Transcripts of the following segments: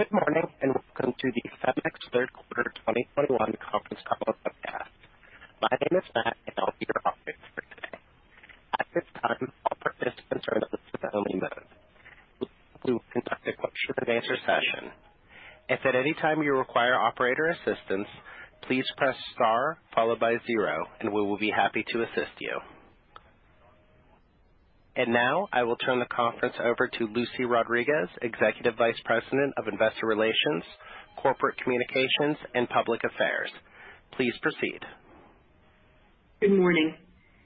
Good morning, and welcome to the CEMEX third quarter 2021 conference call and webcast. My name is Matt, and I'll be your operator for today. At this time, all participants are in a listen-only mode. We will conduct a question and answer session. If at any time you require operator assistance, please press star followed by zero and we will be happy to assist you. Now, I will turn the conference over to Lucy Rodriguez, Executive Vice President of Investor Relations, Corporate Communications and Public Affairs. Please proceed. Good morning.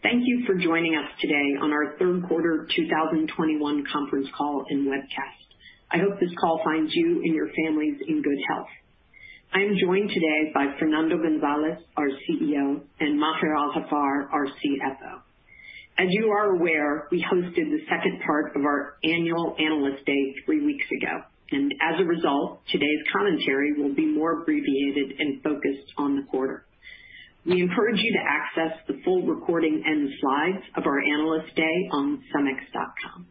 Thank you for joining us today on our third quarter 2021 conference call and webcast. I hope this call finds you and your families in good health. I am joined today by Fernando Gonzalez, our CEO, and Maher Al-Haffar, our CFO. As you are aware, we hosted the second part of our annual Analyst Day three weeks ago. As a result, today's commentary will be more abbreviated and focused on the quarter. We encourage you to access the full recording and the slides of our Analyst Day on cemex.com.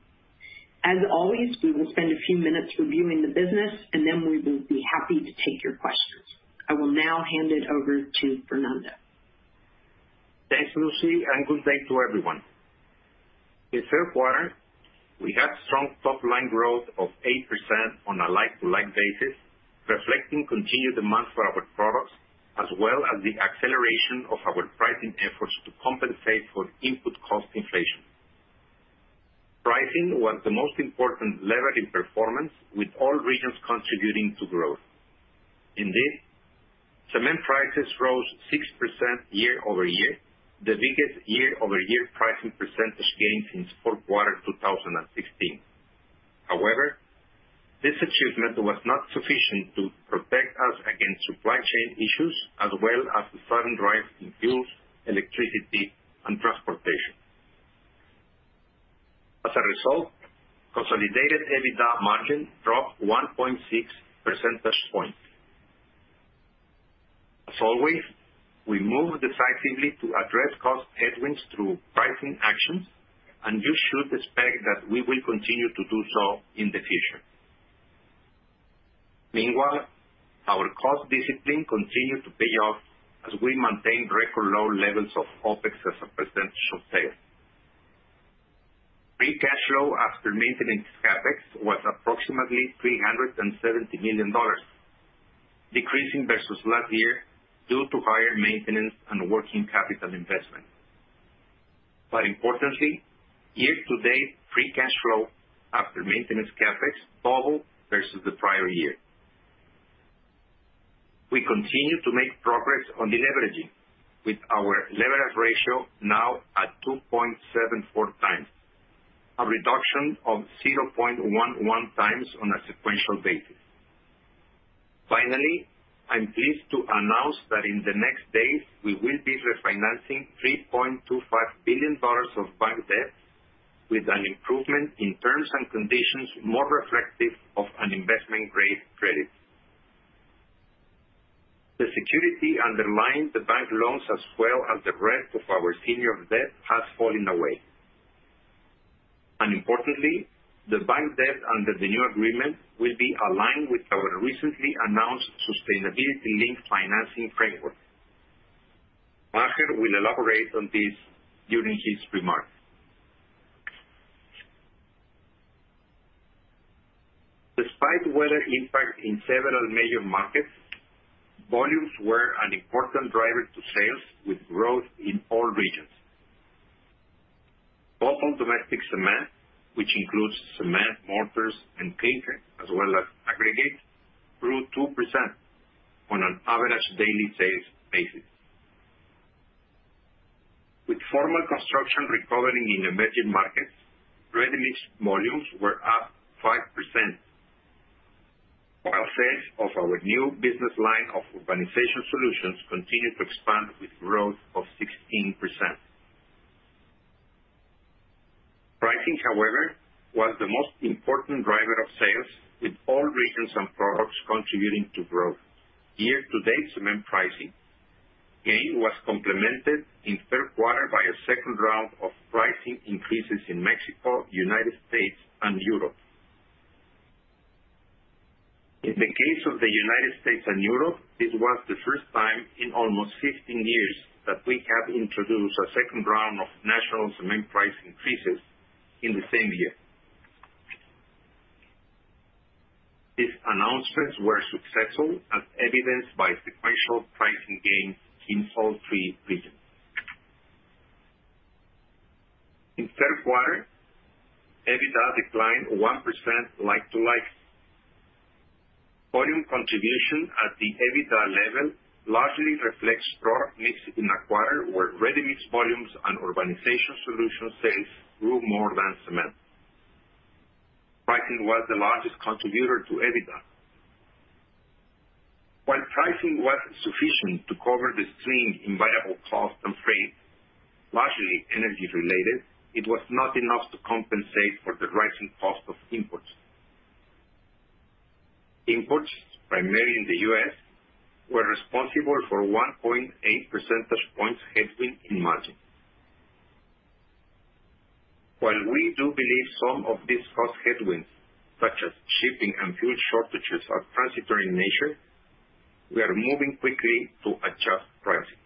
As always, we will spend a few minutes reviewing the business, and then we will be happy to take your questions. I will now hand it over to Fernando. Thanks, Lucy, and good day to everyone. In third quarter, we had strong top-line growth of 8% on a like-for-like basis, reflecting continued demand for our products, as well as the acceleration of our pricing efforts to compensate for input cost inflation. Pricing was the most important lever in performance, with all regions contributing to growth. In this, cement prices rose 6% year-over-year, the biggest year-over-year pricing percentage gain since fourth quarter 2016. However, this achievement was not sufficient to protect us against supply chain issues, as well as the sudden rise in fuels, electricity, and transportation. As a result, consolidated EBITDA margin dropped 1.6 percentage points. As always, we move decisively to address cost headwinds through pricing actions, and you should expect that we will continue to do so in the future. Meanwhile, our cost discipline continued to pay off as we maintained record low levels of OpEx as a percentage of sales. Free cash flow after maintenance CapEx was approximately $370 million, decreasing versus last year due to higher maintenance and working capital investment. Importantly, year-to-date free cash flow after maintenance CapEx doubled versus the prior year. We continue to make progress on deleveraging with our leverage ratio now at 2.74x, a reduction of 0.11x on a sequential basis. Finally, I'm pleased to announce that in the next days we will be refinancing $3.25 billion of bank debt with an improvement in terms and conditions more reflective of an investment grade credit. The security underlying the bank loans as well as the rest of our senior debt has fallen away. Importantly, the bank debt under the new agreement will be aligned with our recently announced Sustainability-Linked Financing Framework. Maher will elaborate on this during his remarks. Despite weather impact in several major markets, volumes were an important driver to sales with growth in all regions. Total domestic cement, which includes cement, mortars, and concrete, as well as aggregate, grew 2% on an average daily sales basis. With formal construction recovering in emerging markets, ready-mix volumes were up 5%. While sales of our new business line of Urbanization Solutions continued to expand with growth of 16%. Pricing, however, was the most important driver of sales, with all regions and products contributing to growth. Year-to-date cement pricing gain was complemented in third quarter by a second round of pricing increases in Mexico, United States, and Europe. In the case of the United States and Europe, this was the first time in almost 15 years that we have introduced a second round of national cement price increases in the same year. These announcements were successful, as evidenced by sequential pricing gains in all three regions. In the third quarter, EBITDA declined 1% like-for-like. Volume contribution at the EBITDA level largely reflects product mix in a quarter where ready-mix volumes and Urbanization Solutions sales grew more than cement. Pricing was the largest contributor to EBITDA. While pricing was sufficient to cover the fixed and variable costs and freight, largely energy related, it was not enough to compensate for the rising cost of imports. Imports, primarily in the U.S., were responsible for 1.8 percentage points headwind in margin. While we do believe some of these cost headwinds, such as shipping and fuel shortages, are transitory in nature, we are moving quickly to adjust pricing.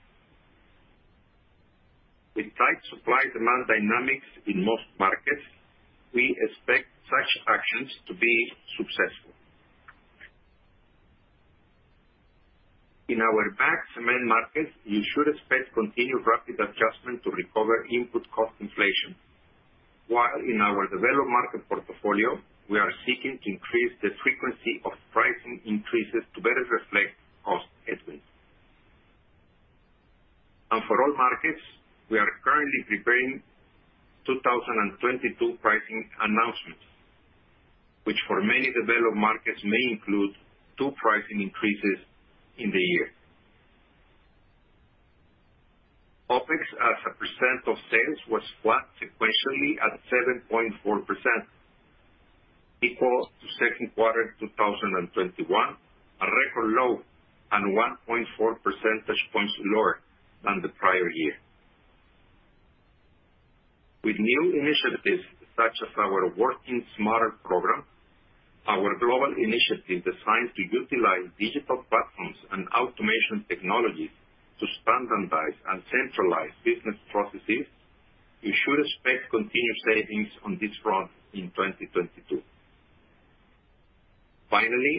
With tight supply demand dynamics in most markets, we expect such actions to be successful. In our bag cement markets, you should expect continued rapid adjustment to recover input cost inflation. While in our developed market portfolio, we are seeking to increase the frequency of pricing increases to better reflect cost headwinds. For all markets, we are currently preparing 2022 pricing announcements, which for many developed markets may include two pricing increases in the year. OpEx as a percent of sales was flat sequentially at 7.4%, equal to second quarter 2021, a record low, and 1.4 percentage points lower than the prior year. With new initiatives such as our Working Smarter program, our global initiative designed to utilize digital platforms and automation technologies to standardize and centralize business processes, you should expect continued savings on this front in 2022. Finally,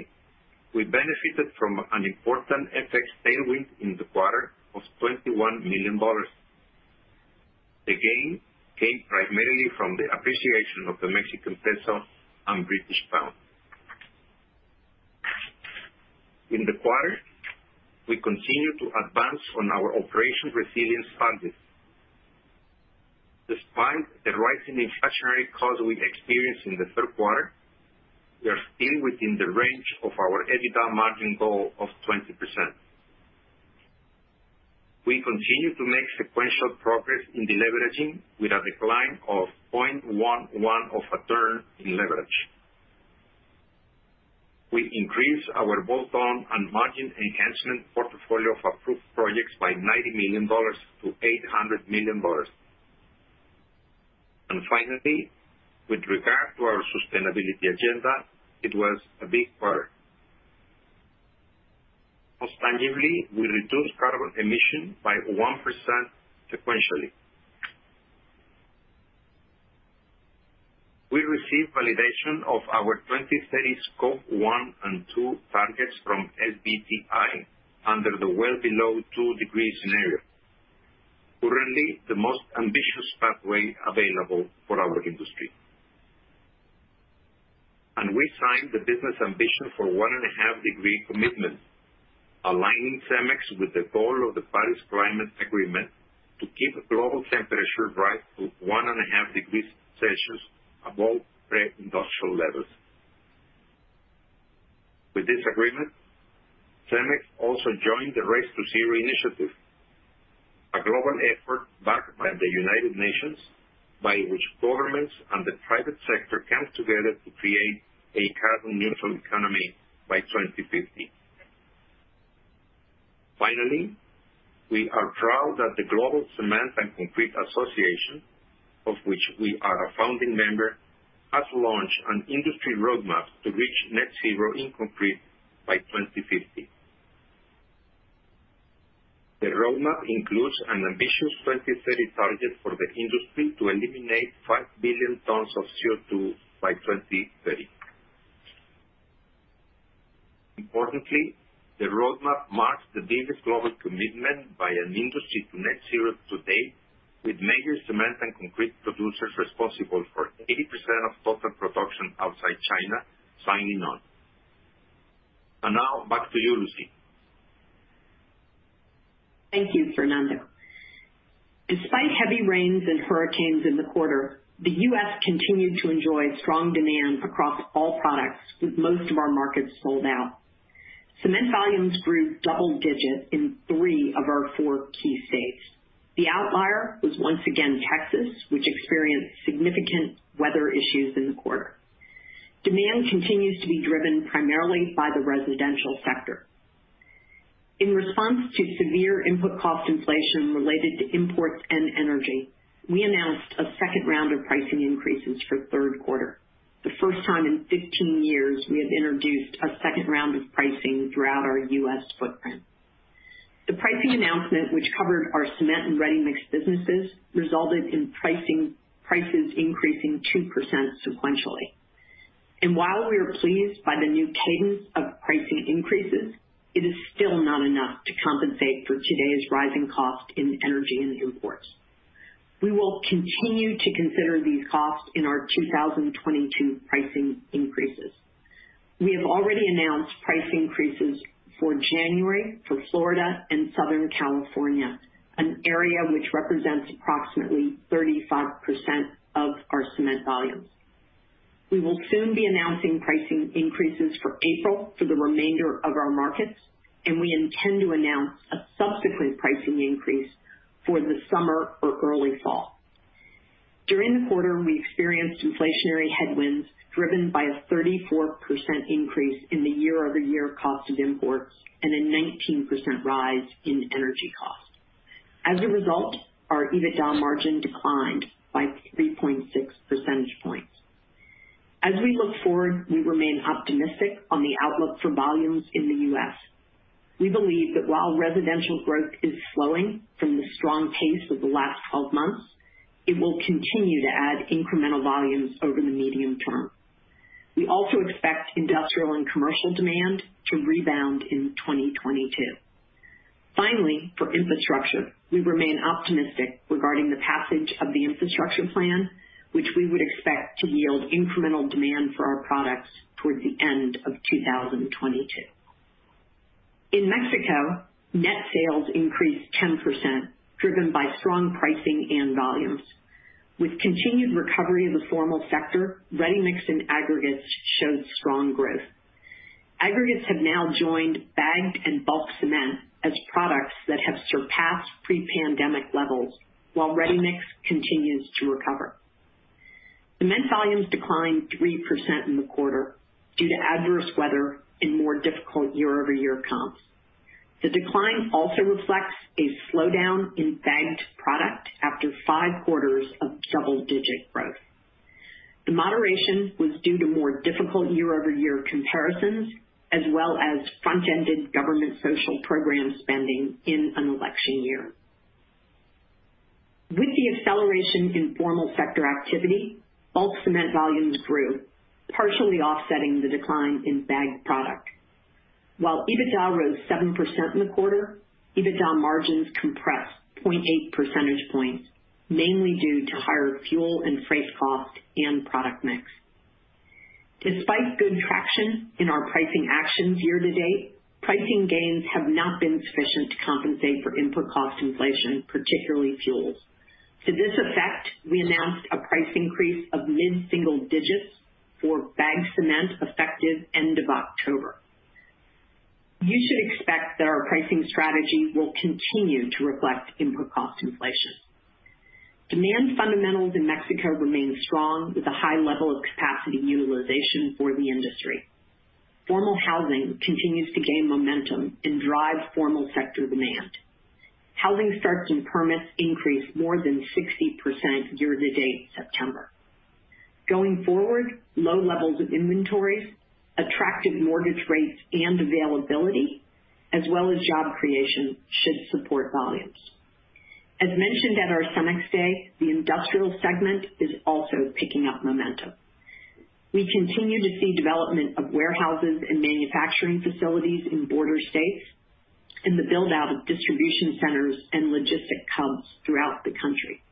we benefited from an important FX tailwind in the quarter of $21 million. The gain came primarily from the appreciation of the Mexican peso and British pound. In the quarter, we continued to advance on our operation resilience targets. Despite the rising inflationary costs we experienced in the third quarter, we are still within the range of our EBITDA margin goal of 20%. We continue to make sequential progress in deleveraging with a decline of 0.11 of a turn in leverage. We increased our bolt-on and margin enhancement portfolio of approved projects by $90 million-$800 million. Finally, with regard to our sustainability agenda, it was a big quarter. Most tangibly, we reduced carbon emission by 1% sequentially. We received validation of our 2030 Scope 1 and 2 targets from SBTi under the well below 2 degrees Celsius scenario. Currently, the most ambitious pathway available for our industry. We signed the Business Ambition for 1.5 degrees Celsius commitment, aligning CEMEX with the goal of the Paris Agreement to keep global temperature rise to 1.5 degrees Celsius above pre-industrial levels. With this agreement, CEMEX also joined the Race to Zero initiative, a global effort backed by the United Nations, by which governments and the private sector come together to create a carbon neutral economy by 2050. Finally, we are proud that the Global Cement and Concrete Association, of which we are a founding member, has launched an industry roadmap to reach net zero in concrete by 2050. The roadmap includes an ambitious 2030 target for the industry to eliminate 5 billion tons of CO2 by 2030. Importantly, the roadmap marks the biggest global commitment by an industry to net zero to date, with major cement and concrete producers responsible for 80% of total production outside China signing on. Now back to you, Lucy. Thank you, Fernando. Despite heavy rains and hurricanes in the quarter, the U.S. continued to enjoy strong demand across all products, with most of our markets sold out. Cement volumes grew double-digit in three of our four key states. The outlier was once again Texas, which experienced significant weather issues in the quarter. Demand continues to be driven primarily by the residential sector. In response to severe input cost inflation related to imports and energy, we announced a second round of pricing increases for third quarter. The first time in 15 years we have introduced a second round of pricing throughout our U.S. footprint. The pricing announcement, which covered our cement and ready-mix businesses, resulted in prices increasing 2% sequentially. While we are pleased by the new cadence of pricing increases, it is still not enough to compensate for today's rising cost in energy and imports. We will continue to consider these costs in our 2022 pricing increases. We have already announced price increases for January for Florida and Southern California, an area which represents approximately 35% of our cement volumes. We will soon be announcing pricing increases for April for the remainder of our markets, and we intend to announce a subsequent pricing increase for the summer or early fall. During the quarter, we experienced inflationary headwinds driven by a 34% increase in the year-over-year cost of imports and a 19% rise in energy costs. As a result, our EBITDA margin declined by 3.6 percentage points. As we look forward, we remain optimistic on the outlook for volumes in the U.S. We believe that while residential growth is slowing from the strong pace of the last 12 months, it will continue to add incremental volumes over the medium term. We also expect industrial and commercial demand to rebound in 2022. Finally, for infrastructure, we remain optimistic regarding the passage of the infrastructure plan, which we would expect to yield incremental demand for our products towards the end of 2022. In Mexico, net sales increased 10%, driven by strong pricing and volumes. With continued recovery of the formal sector, ready-mix and aggregates showed strong growth. Aggregates have now joined bagged and bulk cement as products that have surpassed pre-pandemic levels, while ready-mix continues to recover. Cement volumes declined 3% in the quarter due to adverse weather and more difficult year-over-year comps. The decline also reflects a slowdown in bagged product after 5 quarters of double-digit growth. The moderation was due to more difficult year-over-year comparisons, as well as front-ended government social program spending in an election year. With the acceleration in formal sector activity, bulk cement volumes grew, partially offsetting the decline in bagged product. While EBITDA rose 7% in the quarter, EBITDA margins compressed 0.8 percentage points, mainly due to higher fuel and freight cost and product mix. Despite good traction in our pricing actions year-to-date, pricing gains have not been sufficient to compensate for input cost inflation, particularly fuels. To this effect, we announced a price increase of mid-single digits for bagged cement effective end of October. You should expect that our pricing strategy will continue to reflect input cost inflation. Demand fundamentals in Mexico remain strong with a high level of capacity utilization for the industry. Formal housing continues to gain momentum and drive formal sector demand. Housing starts and permits increased more than 60% year-to-date September. Going forward, low levels of inventories, attractive mortgage rates and availability, as well as job creation should support volumes. As mentioned at our CEMEX Day, the industrial segment is also picking up momentum. We continue to see development of warehouses and manufacturing facilities in border states and the build-out of distribution centers and logistic hubs throughout the country.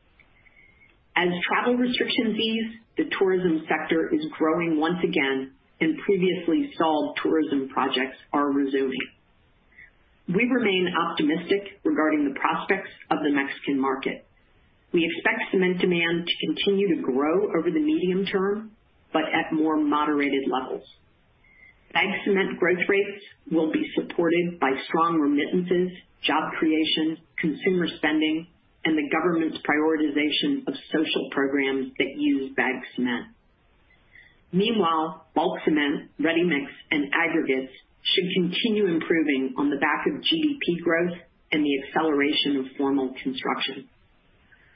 As travel restrictions ease, the tourism sector is growing once again and previously stalled tourism projects are resuming. We remain optimistic regarding the prospects of the Mexican market. We expect cement demand to continue to grow over the medium term, but at more moderated levels. Bagged cement growth rates will be supported by strong remittances, job creation, consumer spending, and the government's prioritization of social programs that use bagged cement. Meanwhile, bulk cement, ready-mix, and aggregates should continue improving on the back of GDP growth and the acceleration of formal construction.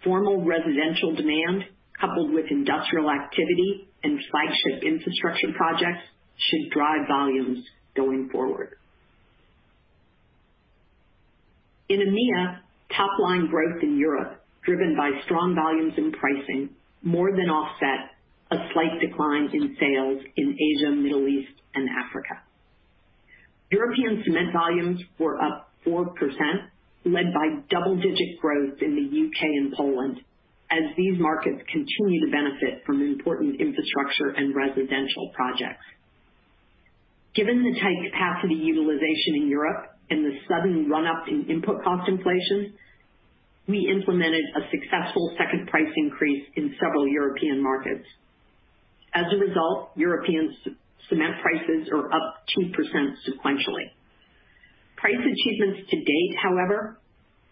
Formal residential demand coupled with industrial activity and flagship infrastructure projects should drive volumes going forward. In EMEA, top-line growth in Europe, driven by strong volumes in pricing, more than offset a slight decline in sales in Asia, Middle East, and Africa. European cement volumes were up 4%, led by double-digit growth in the U.K. and Poland, as these markets continue to benefit from important infrastructure and residential projects. Given the tight capacity utilization in Europe and the sudden run-up in input cost inflation, we implemented a successful second price increase in several European markets. As a result, European cement prices are up 2% sequentially. Price achievements to date, however,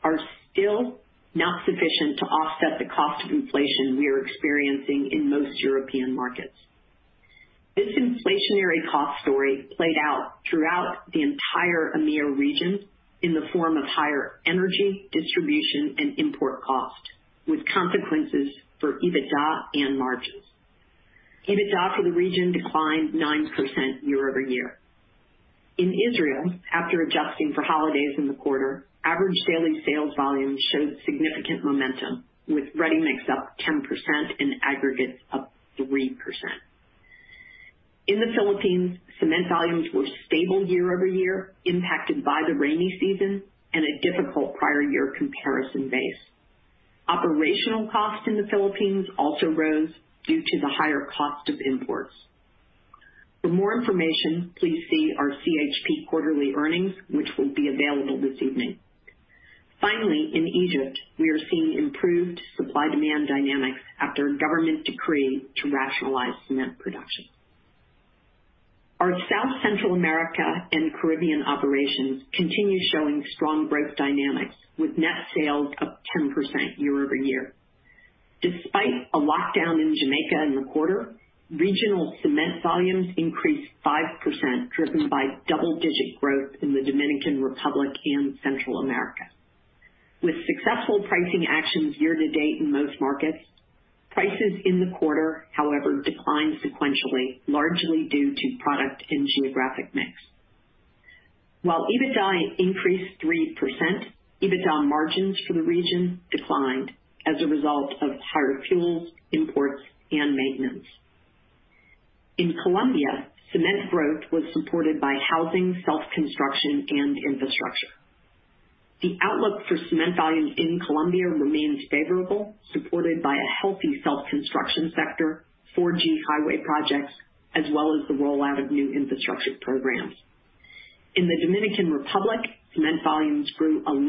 are still not sufficient to offset the cost of inflation we are experiencing in most European markets. This inflationary cost story played out throughout the entire EMEA region in the form of higher energy, distribution, and import cost, with consequences for EBITDA and margins. EBITDA for the region declined 9% year-over-year. In Israel, after adjusting for holidays in the quarter, average daily sales volumes showed significant momentum, with ready-mix up 10% and aggregates up 3%. In the Philippines, cement volumes were stable year-over-year, impacted by the rainy season and a difficult prior year comparison base. Operational costs in the Philippines also rose due to the higher cost of imports. For more information, please see our CHP quarterly earnings, which will be available this evening. Finally, in Egypt, we are seeing improved supply-demand dynamics after a government decree to rationalize cement production. Our South, Central America and the Caribbean operations continue showing strong growth dynamics, with net sales up 10% year-over-year. Despite a lockdown in Jamaica in the quarter, regional cement volumes increased 5%, driven by double-digit growth in the Dominican Republic and Central America. With successful pricing actions year to date in most markets, prices in the quarter, however, declined sequentially, largely due to product and geographic mix. While EBITDA increased 3%, EBITDA margins for the region declined as a result of higher fuels, imports, and maintenance. In Colombia, cement growth was supported by housing, self-construction, and infrastructure. The outlook for cement volumes in Colombia remains favorable, supported by a healthy self-construction sector, 4G highway projects, as well as the rollout of new infrastructure programs. In the Dominican Republic, cement volumes grew 11%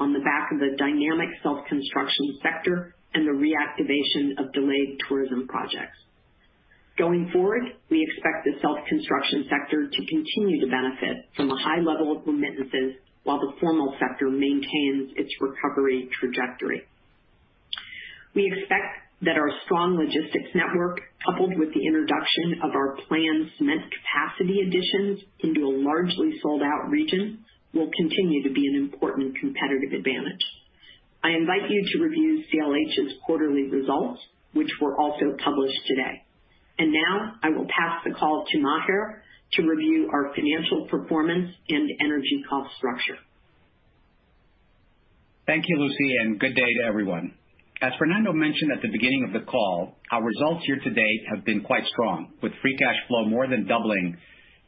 on the back of the dynamic self-construction sector and the reactivation of delayed tourism projects. Going forward, we expect the self-construction sector to continue to benefit from a high level of remittances while the formal sector maintains its recovery trajectory. We expect that our strong logistics network, coupled with the introduction of our planned cement capacity additions into a largely sold-out region, will continue to be an important competitive advantage. I invite you to review CLH's quarterly results, which were also published today. Now I will pass the call to Maher to review our financial performance and energy cost structure. Thank you, Lucy, and good day to everyone. As Fernando mentioned at the beginning of the call, our results year to date have been quite strong, with free cash flow more than doubling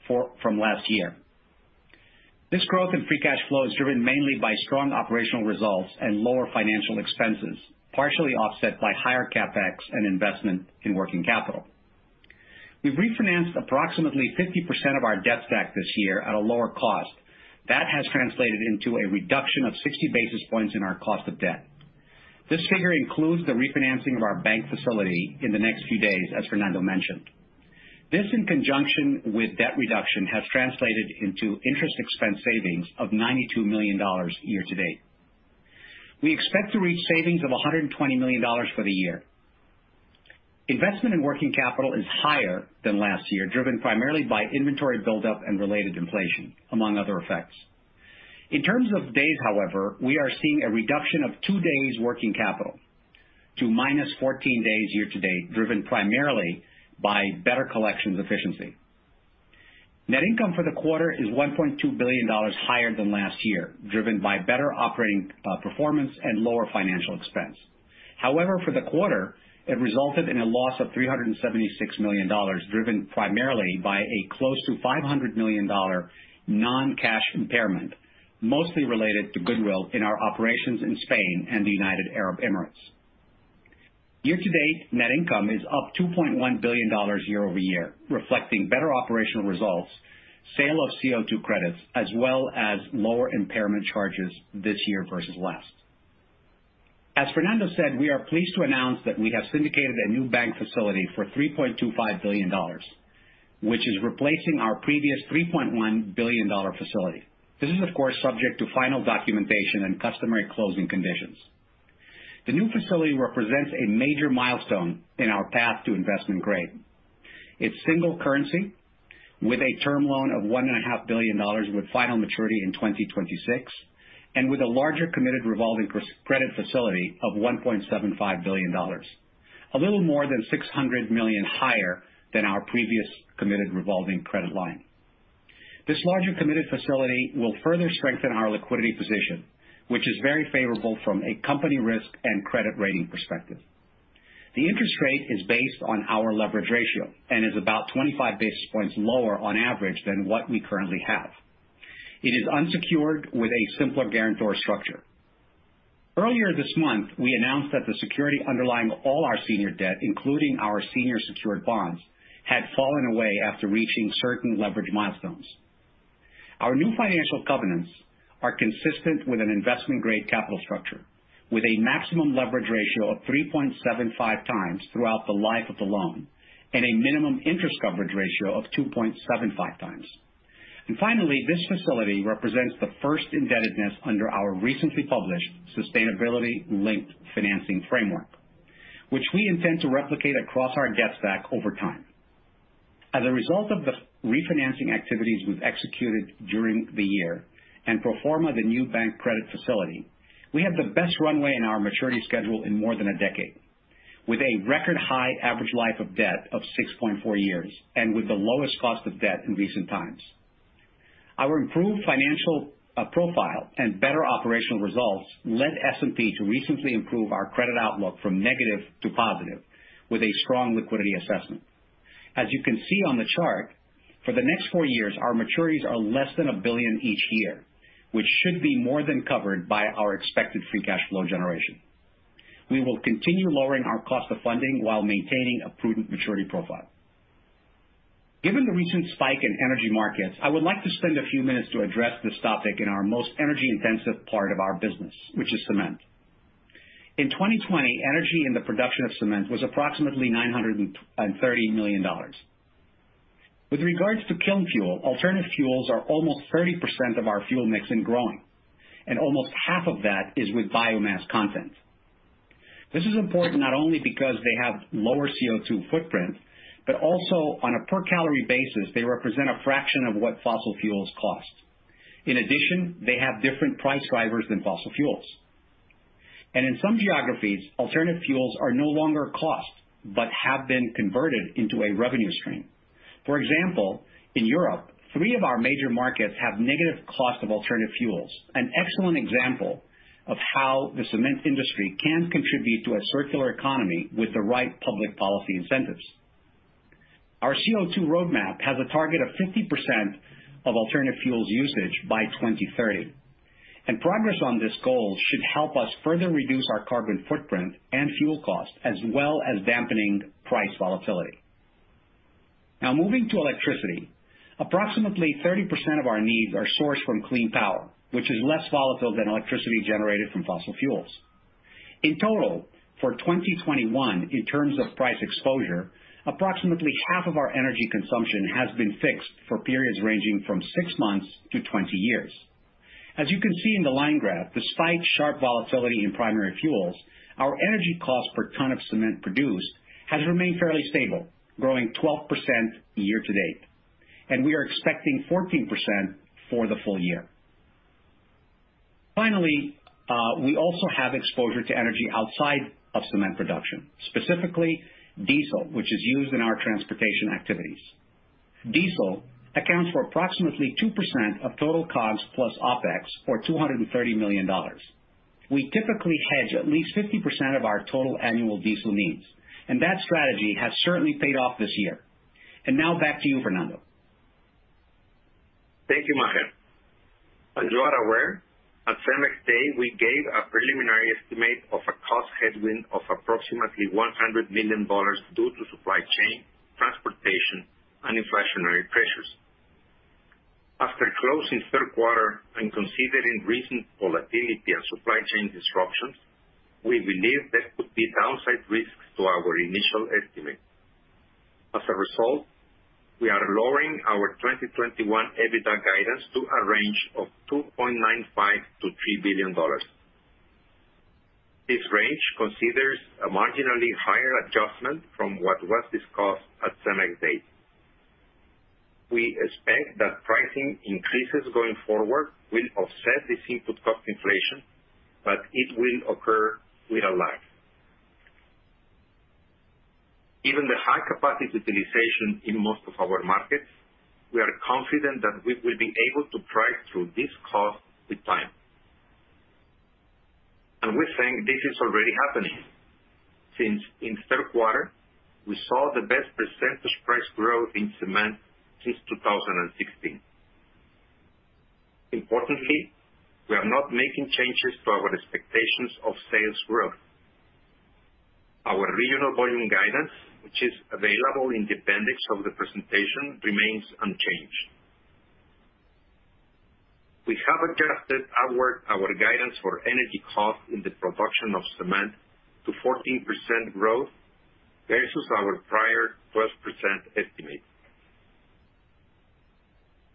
from last year. This growth in free cash flow is driven mainly by strong operational results and lower financial expenses, partially offset by higher CapEx and investment in working capital. We've refinanced approximately 50% of our debt stack this year at a lower cost. That has translated into a reduction of 60 basis points in our cost of debt. This figure includes the refinancing of our bank facility in the next few days, as Fernando mentioned. This, in conjunction with debt reduction, has translated into interest expense savings of $92 million year to date. We expect to reach savings of $120 million for the year. Investment in working capital is higher than last year, driven primarily by inventory buildup and related inflation, among other effects. In terms of days, however, we are seeing a reduction of 2 days working capital to -14 days year to date, driven primarily by better collections efficiency. Net income for the quarter is $1.2 billion higher than last year, driven by better operating performance and lower financial expense. However, for the quarter, it resulted in a loss of $376 million, driven primarily by a close to $500 million non-cash impairment, mostly related to goodwill in our operations in Spain and the United Arab Emirates. Year to date, net income is up $2.1 billion year over year, reflecting better operational results, sale of CO2 credits, as well as lower impairment charges this year versus last. As Fernando said, we are pleased to announce that we have syndicated a new bank facility for $3.25 billion, which is replacing our previous $3.1 billion facility. This is, of course, subject to final documentation and customary closing conditions. The new facility represents a major milestone in our path to investment grade. It's single currency with a term loan of $1.5 billion with final maturity in 2026, and with a larger committed revolving credit facility of $1.75 billion, a little more than $600 million higher than our previous committed revolving credit line. This larger committed facility will further strengthen our liquidity position, which is very favorable from a company risk and credit rating perspective. The interest rate is based on our leverage ratio and is about 25 basis points lower on average than what we currently have. It is unsecured with a simpler guarantor structure. Earlier this month, we announced that the security underlying all our senior debt, including our senior secured bonds, had fallen away after reaching certain leverage milestones. Our new financial covenants are consistent with an investment-grade capital structure with a maximum leverage ratio of 3.75x throughout the life of the loan and a minimum interest coverage ratio of 2.75x. Finally, this facility represents the first indebtedness under our recently published Sustainability-Linked Financing Framework, which we intend to replicate across our debt stack over time. As a result of the refinancing activities we've executed during the year and pro forma the new bank credit facility, we have the best runway in our maturity schedule in more than a decade, with a record high average life of debt of 6.4 years and with the lowest cost of debt in recent times. Our improved financial profile and better operational results led S&P to recently improve our credit outlook from negative to positive with a strong liquidity assessment. As you can see on the chart, for the next 4 years, our maturities are less than $1 billion each year, which should be more than covered by our expected free cash flow generation. We will continue lowering our cost of funding while maintaining a prudent maturity profile. Given the recent spike in energy markets, I would like to spend a few minutes to address this topic in our most energy-intensive part of our business, which is cement. In 2020, energy in the production of cement was approximately $930 million. With regards to kiln fuel, alternative fuels are almost 30% of our fuel mix and growing, and almost half of that is with biomass content. This is important not only because they have lower CO2 footprint, but also on a per calorie basis, they represent a fraction of what fossil fuels cost. In addition, they have different price drivers than fossil fuels. In some geographies, alternative fuels are no longer a cost, but have been converted into a revenue stream. For example, in Europe, three of our major markets have negative cost of alternative fuels, an excellent example of how the cement industry can contribute to a circular economy with the right public policy incentives. Our CO2 roadmap has a target of 50% of alternative fuels usage by 2030. Progress on this goal should help us further reduce our carbon footprint and fuel costs, as well as dampening price volatility. Now, moving to electricity. Approximately 30% of our needs are sourced from clean power, which is less volatile than electricity generated from fossil fuels. In total, for 2021, in terms of price exposure, approximately half of our energy consumption has been fixed for periods ranging from 6 months to 20 years. As you can see in the line graph, despite sharp volatility in primary fuels, our energy cost per ton of cement produced has remained fairly stable, growing 12% year-to-date, and we are expecting 14% for the full year. Finally, we also have exposure to energy outside of cement production, specifically diesel, which is used in our transportation activities. Diesel accounts for approximately 2% of total COGS plus OpEx, or $230 million. We typically hedge at least 50% of our total annual diesel needs, and that strategy has certainly paid off this year. Now back to you, Fernando. Thank you, Maher. As you are aware, at CEMEX Day, we gave a preliminary estimate of a cost headwind of approximately $100 million due to supply chain, transportation, and inflationary pressures. After closing third quarter and considering recent volatility and supply chain disruptions, we believe there could be downside risks to our initial estimate. As a result, we are lowering our 2021 EBITDA guidance to a range of $2.95 billion-$3 billion. This range considers a marginally higher adjustment from what was discussed at CEMEX Day. We expect that pricing increases going forward will offset this input cost inflation, but it will occur with a lag. Given the high capacity utilization in most of our markets, we are confident that we will be able to price through this cost with time. We think this is already happening, since in third quarter we saw the best percentage price growth in cement since 2016. Importantly, we are not making changes to our expectations of sales growth. Our regional volume guidance, which is available in the appendix of the presentation, remains unchanged. We have adjusted our guidance for energy costs in the production of cement to 14% growth versus our prior 12% estimate.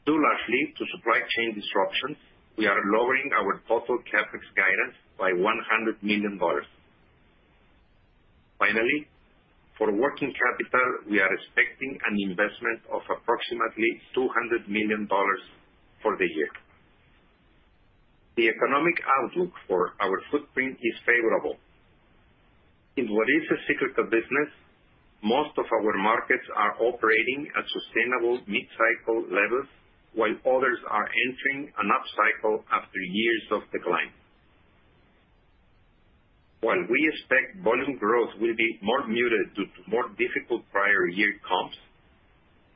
Due largely to supply chain disruptions, we are lowering our total CapEx guidance by $100 million. Finally, for working capital, we are expecting an investment of approximately $200 million for the year. The economic outlook for our footprint is favorable. In what is a cyclical business, most of our markets are operating at sustainable mid-cycle levels, while others are entering an upcycle after years of decline. While we expect volume growth will be more muted due to more difficult prior year comps,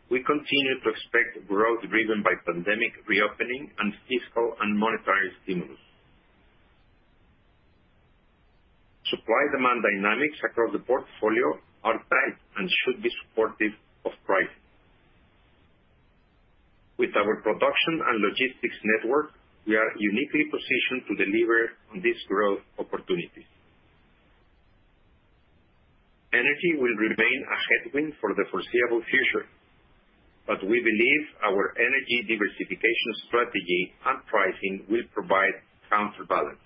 we continue to expect growth driven by pandemic reopening and fiscal and monetary stimulus. Supply-demand dynamics across the portfolio are tight and should be supportive of pricing. With our production and logistics network, we are uniquely positioned to deliver on this growth opportunity. Energy will remain a headwind for the foreseeable future, but we believe our energy diversification strategy and pricing will provide counterbalance.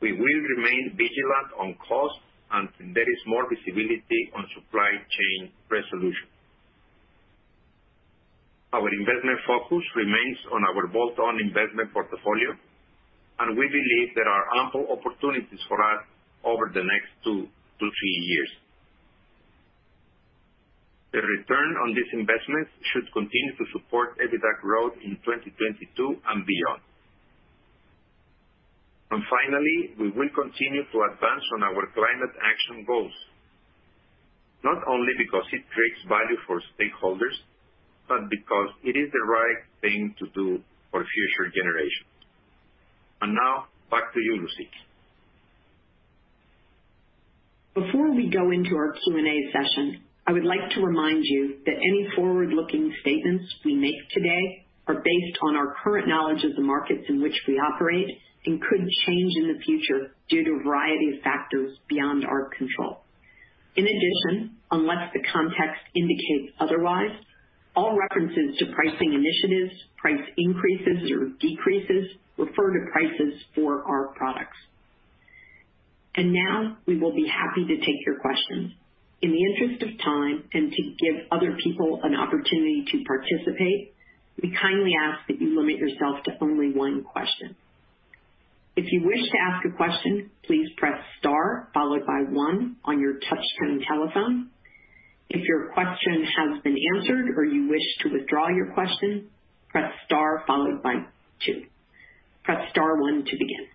We will remain vigilant on costs until there is more visibility on supply chain resolution. Our investment focus remains on our bolt-on investment portfolio, and we believe there are ample opportunities for us over the next 2-3 years. The return on these investments should continue to support EBITDA growth in 2022 and beyond. Finally, we will continue to advance on our climate action goals, not only because it creates value for stakeholders, but because it is the right thing to do for future generations. Now back to you, Lucy. Before we go into our Q&A session, I would like to remind you that any forward-looking statements we make today are based on our current knowledge of the markets in which we operate and could change in the future due to a variety of factors beyond our control. In addition, unless the context indicates otherwise, all references to pricing initiatives, price increases or decreases refer to prices for our products. Now we will be happy to take your questions. In the interest of time and to give other people an opportunity to participate, we kindly ask that you limit yourself to only one question. If you wish to ask a question, please press star followed by one on your touchscreen telephone. If your question has been answered or you wish to withdraw your question, press star followed by two. Press star one to begin.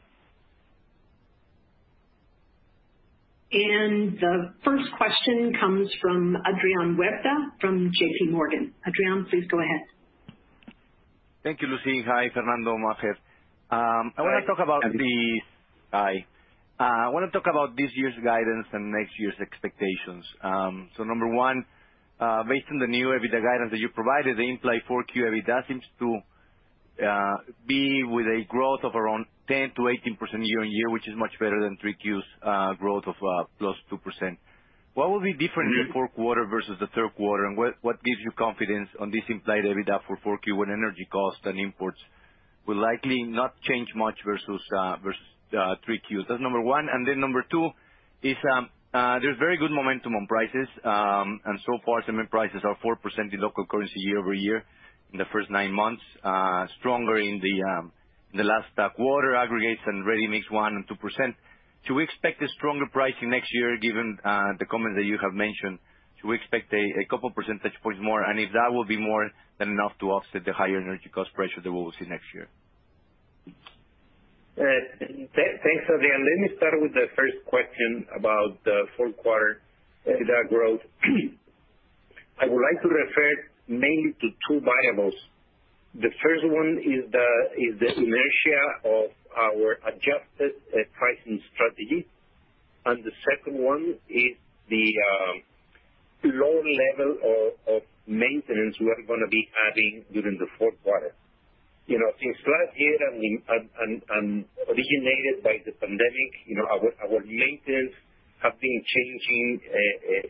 The first question comes from Adrian Huerta from JPMorgan. Adrian, please go ahead. Thank you, Lucy. Hi, Fernando, Maher. I wanna talk about the. Hi. Hi. I wanna talk about this year's guidance and next year's expectations. Number one, based on the new EBITDA guidance that you provided, the implied 4Q EBITDA seems to be with a growth of around 10%-18% year-on-year, which is much better than 3Q's growth of +2%. What will be different in fourth quarter versus the third quarter, and what gives you confidence on this implied EBITDA for 4Q when energy costs and imports will likely not change much versus three Q? That's number one, and then number two is, there's very good momentum on prices, and so far cement prices are 4% in local currency year over year in the first 9 months, stronger in the last quarter aggregates and ready-mix 1% and 2%. Should we expect stronger pricing next year given the comments that you have mentioned? Should we expect a couple percentage points more, and if that will be more than enough to offset the higher energy cost pressure that we will see next year? Thanks, Adrian. Let me start with the first question about the fourth quarter EBITDA growth. I would like to refer mainly to two variables. The first one is the inertia of our adjusted pricing strategy, and the second one is the low level of maintenance we are gonna be having during the fourth quarter. You know, since last year originated by the pandemic, you know, our maintenance have been changing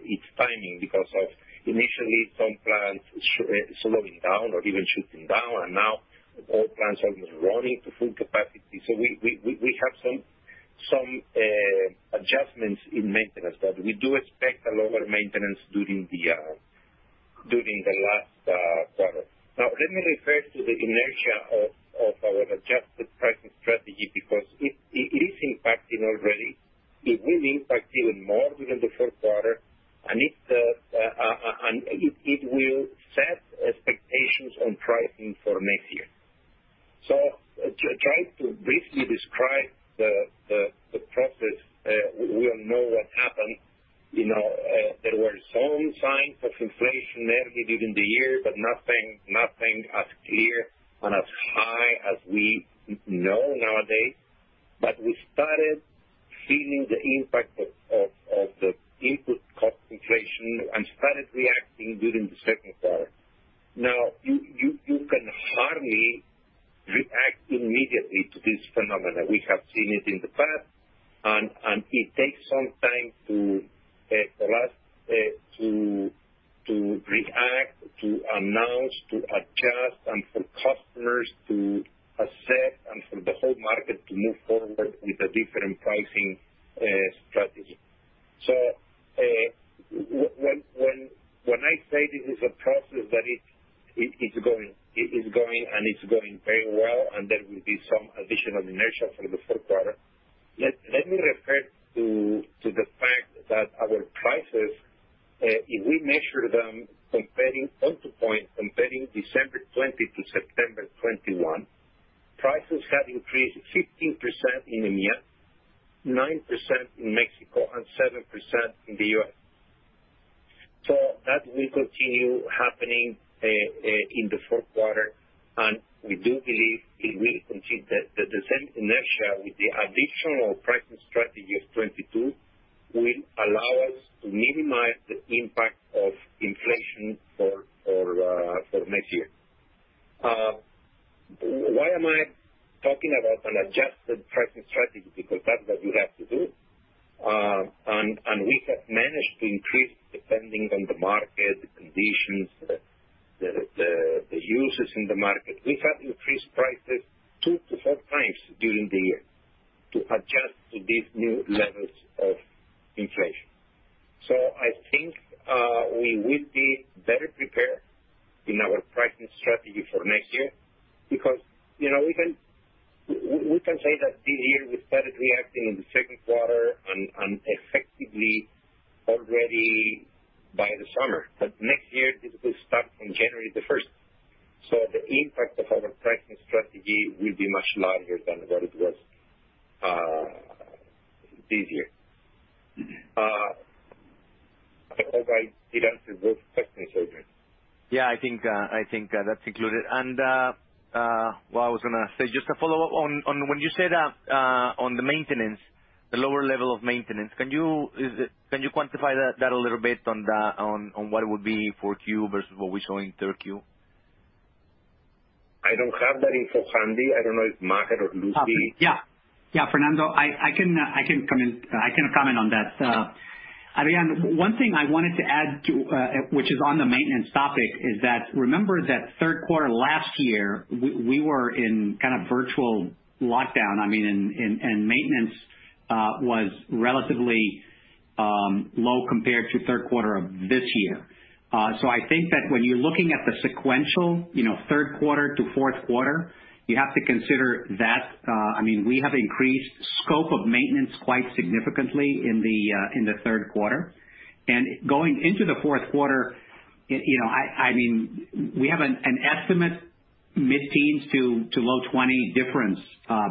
its timing because of initially some plants slowing down or even shutting down and now all plants are running to full capacity. We have some adjustments in maintenance, but we do expect a lower maintenance during the last quarter. Now let me refer to the inertia of our adjusted pricing strategy because it is impacting already. It will impact even more within the fourth quarter and it will set expectations on pricing for next year. To try to briefly describe the process, we all know what happened. You know, there were some signs of inflation early during the year, but nothing as clear and as high as we know nowadays. We started feeling the impact of the input cost inflation and started reacting during the second quarter. Now, you can hardly react immediately to this phenomenon. We have seen it in the past and it takes some time for us to react, to announce, to adjust, and for customers to accept, and for the whole market to move forward with a different pricing Adrian, one thing I wanted to add to, which is on the maintenance topic, is that remember that third quarter last year, we were in kind of virtual lockdown. I mean, maintenance was relatively low compared to third quarter of this year. So I think that when you're looking at the sequential, you know, third quarter to fourth quarter, you have to consider that. I mean, we have increased scope of maintenance quite significantly in the third quarter. Going into the fourth quarter, you know, I mean, we have an estimate mid-teens to low twenty difference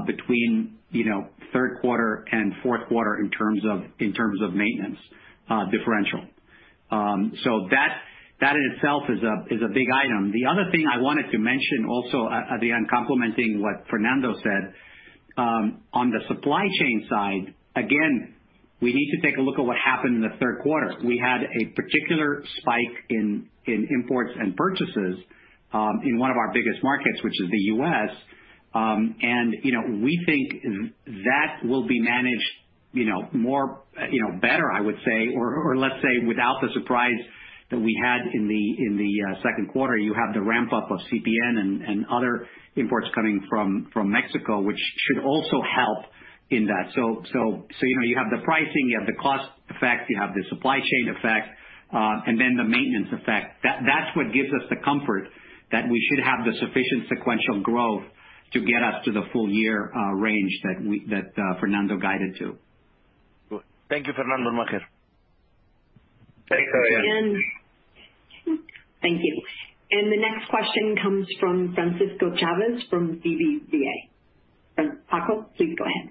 between, you know, third quarter and fourth quarter in terms of maintenance differential. That in itself is a big item. The other thing I wanted to mention also, Adrian, complementing what Fernando said, on the supply chain side, again, we need to take a look at what happened in the third quarter. We had a particular spike in imports and purchases in one of our biggest markets, which is the U.S., and, you know, we think that will be managed, you know, more, you know, better, I would say, or let's say without the surprise that we had in the second quarter. You have the ramp-up of CPN and other imports coming from Mexico, which should also help in that. You know, you have the pricing, you have the cost effect, you have the supply chain effect, and then the maintenance effect. That's what gives us the comfort that we should have the sufficient sequential growth to get us to the full year range that Fernando guided to. Good. Thank you. Fernando, Maher. Thank you. Thank you. The next question comes from Francisco Chavez from BBVA. Francisco, please go ahead.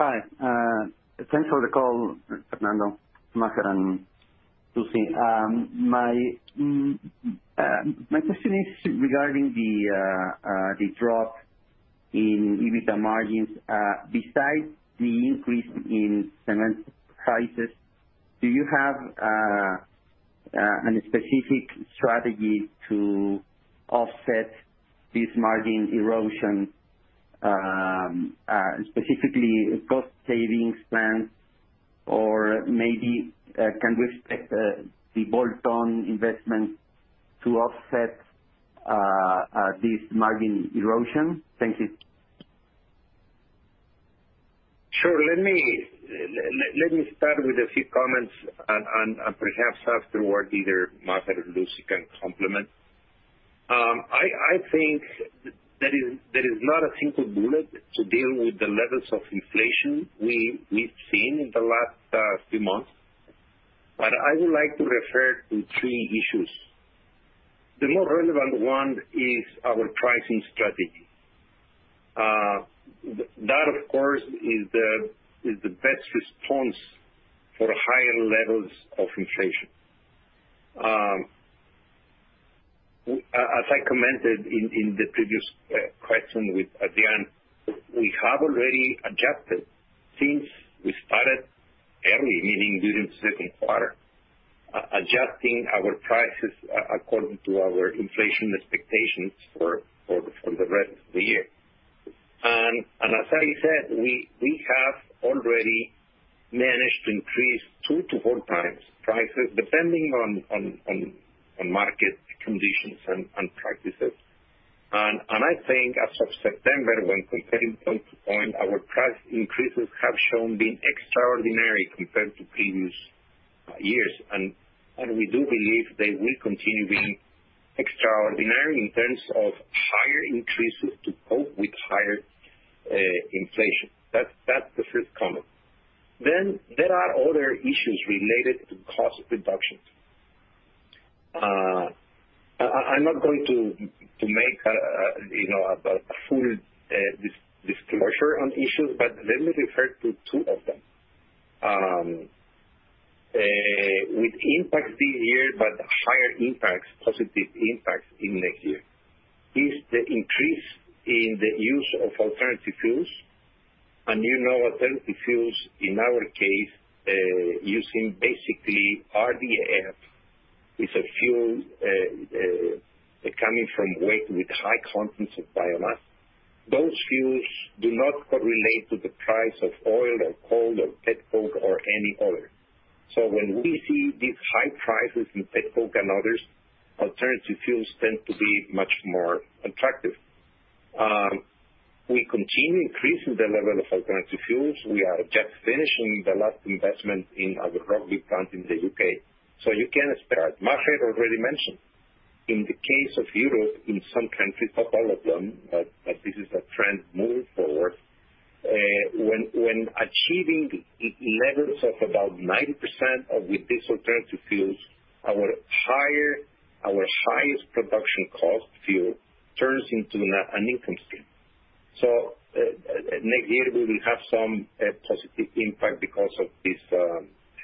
Hi. Thanks for the call, Fernando, Maher, and Lucy. My question is regarding the drop in EBITDA margins. Besides the increase in cement prices, do you have a specific strategy to offset this margin erosion, specifically cost savings plans? Or maybe can we expect the bolt-on investment to offset this margin erosion? Thank you. Sure. Let me start with a few comments and perhaps afterward, either Maher or Lucy can complement. I think there is not a single bullet to deal with the levels of inflation we've seen in the last few months. I would like to refer to three issues. The more relevant one is our pricing strategy. That of course is the best response for higher levels of inflation. As I commented in the previous question with Adrian, we have already adjusted since we started early, meaning during second quarter, adjusting our prices according to our inflation expectations for the rest of the year. As I said, we have already managed to increase 2x-4x prices depending on market conditions and practices. I think as of September, when comparing point to point, our price increases have shown being extraordinary compared to previous years. We do believe they will continue being extraordinary in terms of higher increases to cope with higher inflation. That's the first comment. There are other issues related to cost reductions. I'm not going to make a you know a full disclosure on issues, but let me refer to two of them. With impact this year, but higher impacts, positive impacts in next year, is the increase in the use of alternative fuels. You know, alternative fuels, in our case, using basically RDF is a fuel coming from waste with high contents of biomass. Those fuels do not correlate to the price of oil or coal or petcoke or any other. When we see these high prices in petcoke and others, alternative fuels tend to be much more attractive. We continue increasing the level of alternative fuels. We are just finishing the last investment in our Rugby plant in the U.K. You can expect, Maher already mentioned, in the case of Europe, in some countries, not all of them, but this is a trend moving forward, when achieving levels of about 90% alternative fuels, our highest production cost fuel turns into an income stream. Next year we will have some positive impact because of these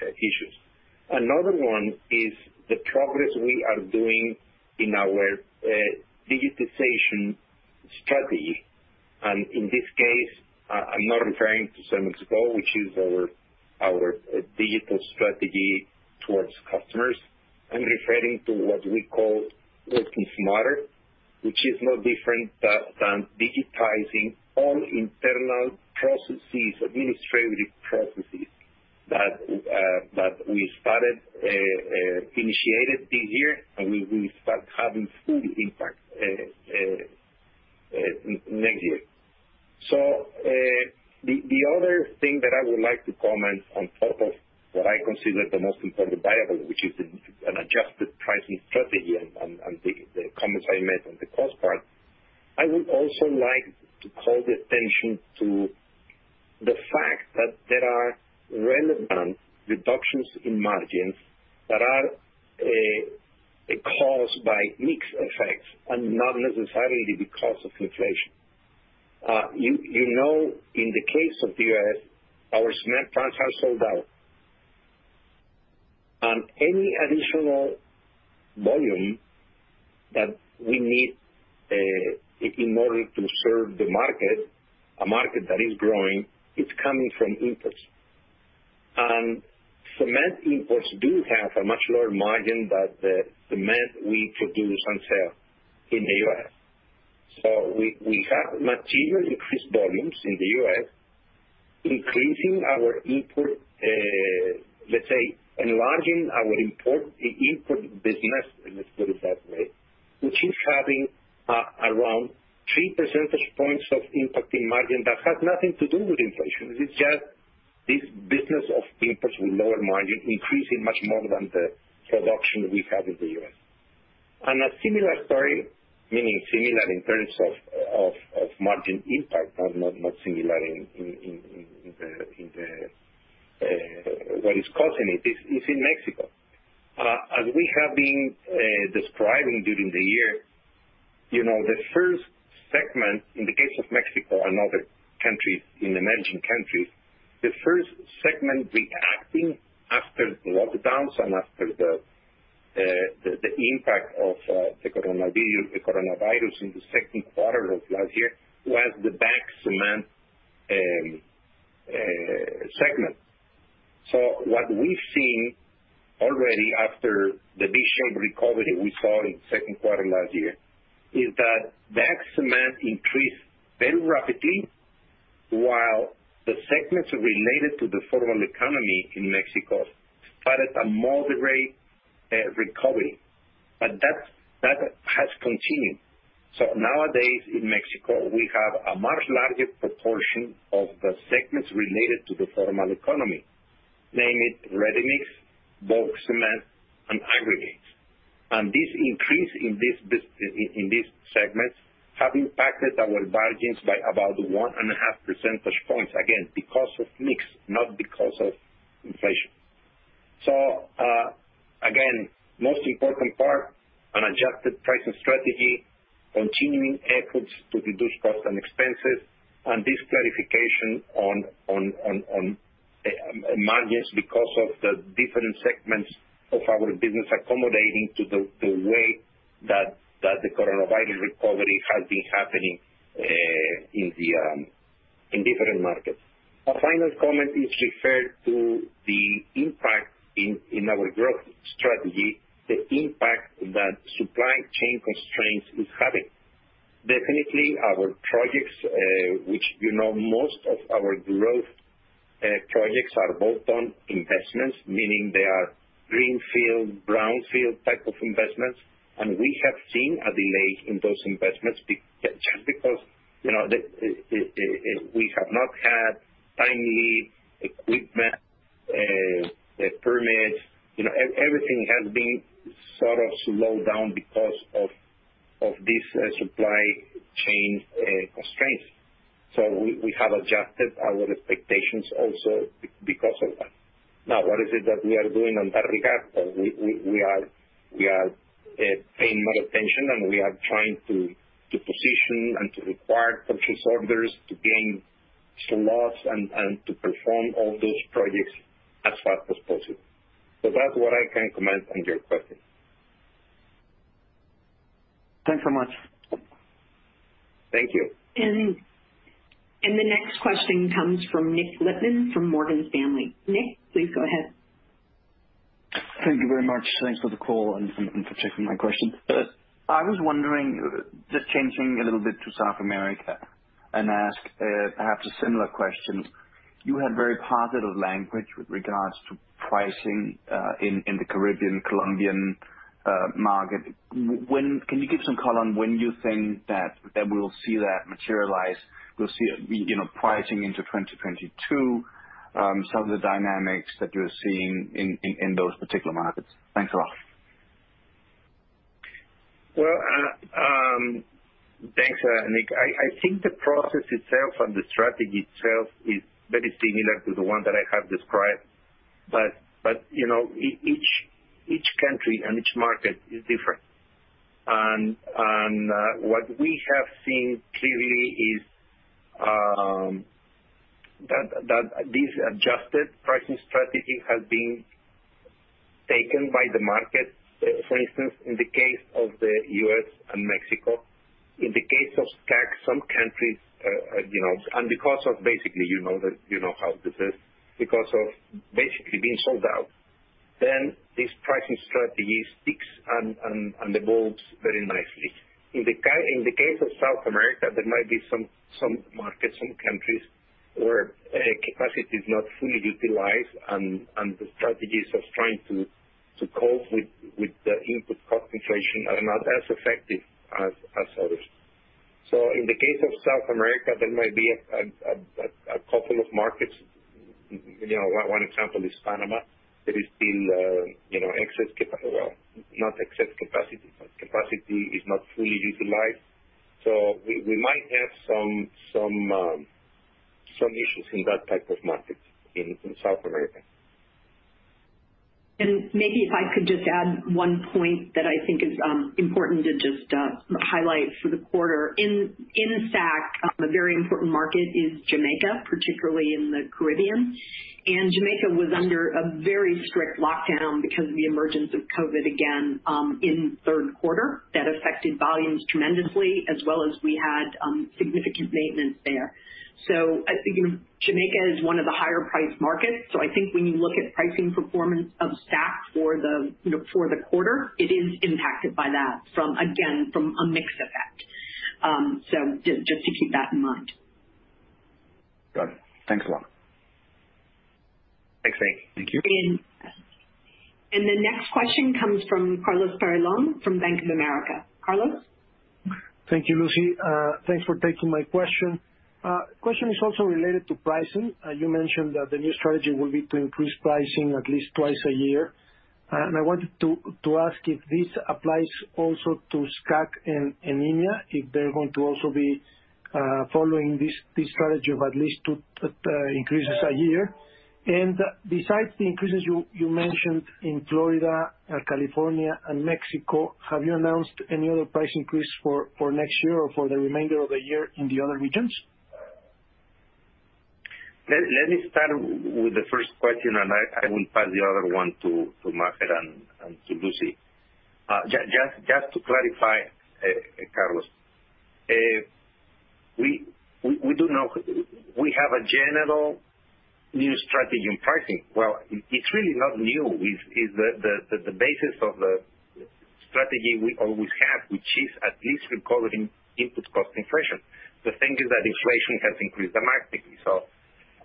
issues. Another one is the progress we are doing in our digitization strategy. In this case, I'm not referring to 7 years ago, which is our digital strategy towards customers. I'm referring to what we call Working Smarter, which is no different than digitizing all internal processes, administrative processes, that we initiated this year, and we will start having full impact next year. The other thing that I would like to comment on top of what I consider the most important variable, which is an adjusted pricing strategy and the comments I made on the cost part. I would also like to call the attention to the fact that there are relevant reductions in margins that are caused by mix effects and not necessarily because of inflation. You know, in the case of the U.S., our cement plants are sold out. Any additional volume that we need in order to serve the market, a market that is growing, it's coming from imports. Cement imports do have a much lower margin than the cement we produce and sell in the U.S. We have materially increased volumes in the U.S., increasing our import business, let's put it that way, which is having around three percentage points of impact in margin that has nothing to do with inflation. It's just this business of imports with lower margin increasing much more than the production we have in the U.S. A similar story, meaning similar in terms of margin impact, but not similar in terms of what is causing it, is in Mexico. As we have been describing during the year, you know, the first segment in the case of Mexico and other countries in emerging countries, the first segment reacting after the lockdowns and after the impact of the coronavirus in the second quarter of last year was the bagged cement segment. What we've seen already after the V-shaped recovery we saw in the second quarter last year is that bagged cement increased very rapidly while the segments related to the formal economy in Mexico started a moderate recovery. That has continued. Nowadays in Mexico, we have a much larger proportion of the segments related to the formal economy, namely ready-mix, bulk cement and aggregates. This increase in these segments have impacted our margins by about 1.5 percentage points, again, because of mix, not because of inflation. Again, most important part, an adjusted pricing strategy, continuing efforts to reduce costs and expenses, and this clarification on margins because of the different segments of our business accommodating to the way that the coronavirus recovery has been happening in different markets. Our final comment is referred to the impact in our growth strategy, the impact that supply chain constraints is having. Definitely our projects, which, you know, most of our growth projects are bolt-on investments, meaning they are greenfield, brownfield type of investments, and we have seen a delay in those investments just because, you know, we have not had timely equipment, permits. You know, everything has been sort of slowed down because of this supply chain constraints. We have adjusted our expectations also because of that. Now, what is it that we are doing in that regard? We are paying more attention and we are trying to position and to require purchase orders to gain slots and to perform all those projects as fast as possible. That's what I can comment on your question. Thanks so much. Thank you. The next question comes from Nikolaj Lippmann from Morgan Stanley. Nik, please go ahead. Thank you very much. Thanks for the call and for taking my question. I was wondering, just changing a little bit to South America and ask, perhaps a similar question. You had very positive language with regards to pricing in the Caribbean, Colombian market. When can you give some color on when you think that we'll see that materialize? We'll see, you know, pricing into 2022, some of the dynamics that you're seeing in those particular markets. Thanks a lot. Well, thanks, Nik. I think the process itself and the strategy itself is very similar to the one that I have described. You know, each country and each market is different. What we have seen clearly, that this adjusted pricing strategy has been taken by the market. For instance, in the case of the U.S. and Mexico, in the case of SCAC, some countries, you know. Because of basically being sold out, then this pricing strategy sticks and evolves very nicely. In the case of South America, there might be some markets, some countries where capacity is not fully utilized and the strategies of trying to cope with the input cost inflation are not as effective as others. In the case of South America, there might be a couple of markets. You know, one example is Panama, that is still you know, well, not excess capacity, but capacity is not fully utilized. We might have some issues in that type of market in South America. Maybe if I could just add one point that I think is important to just highlight for the quarter. In SCAC, a very important market is Jamaica, particularly in the Caribbean. Jamaica was under a very strict lockdown because of the emergence of COVID again in third quarter. That affected volumes tremendously, as well as we had significant maintenance there. I think Jamaica is one of the higher priced markets. I think when you look at pricing performance of SCAC for the, you know, for the quarter, it is impacted by that from a mix effect again. Just to keep that in mind. Got it. Thanks a lot. Thanks, Fernando. Thank you. The next question comes from Carlos Bernal from Bank of America. Carlos? Thank you, Lucy. Thanks for taking my question. Question is also related to pricing. You mentioned that the new strategy will be to increase pricing at least twice a year. I wanted to ask if this applies also to SCAC and EMEA, if they're going to also be following this strategy of at least two increases a year. Besides the increases you mentioned in Florida, California and Mexico, have you announced any other price increase for next year or for the remainder of the year in the other regions? Let me start with the first question, and I will pass the other one to Maher and to Lucy. Just to clarify, Carlos, we do not. We have a general new strategy in pricing. Well, it's really not new. It's the basis of the strategy we always have, which is at least recovering input cost inflation. The thing is that inflation has increased dramatically.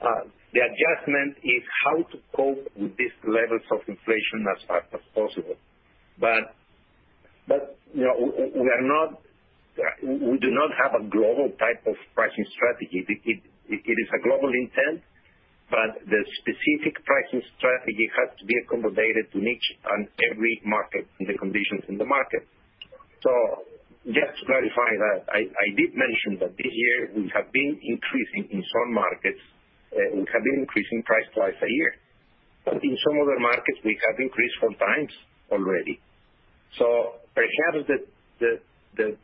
The adjustment is how to cope with these levels of inflation as fast as possible. You know, we are not. We do not have a global type of pricing strategy. It is a global intent, but the specific pricing strategy has to be accommodated to each and every market and the conditions in the market. Just to clarify that, I did mention that this year we have been increasing in some markets, we have been increasing price twice a year. In some other markets we have increased 4x already. Perhaps the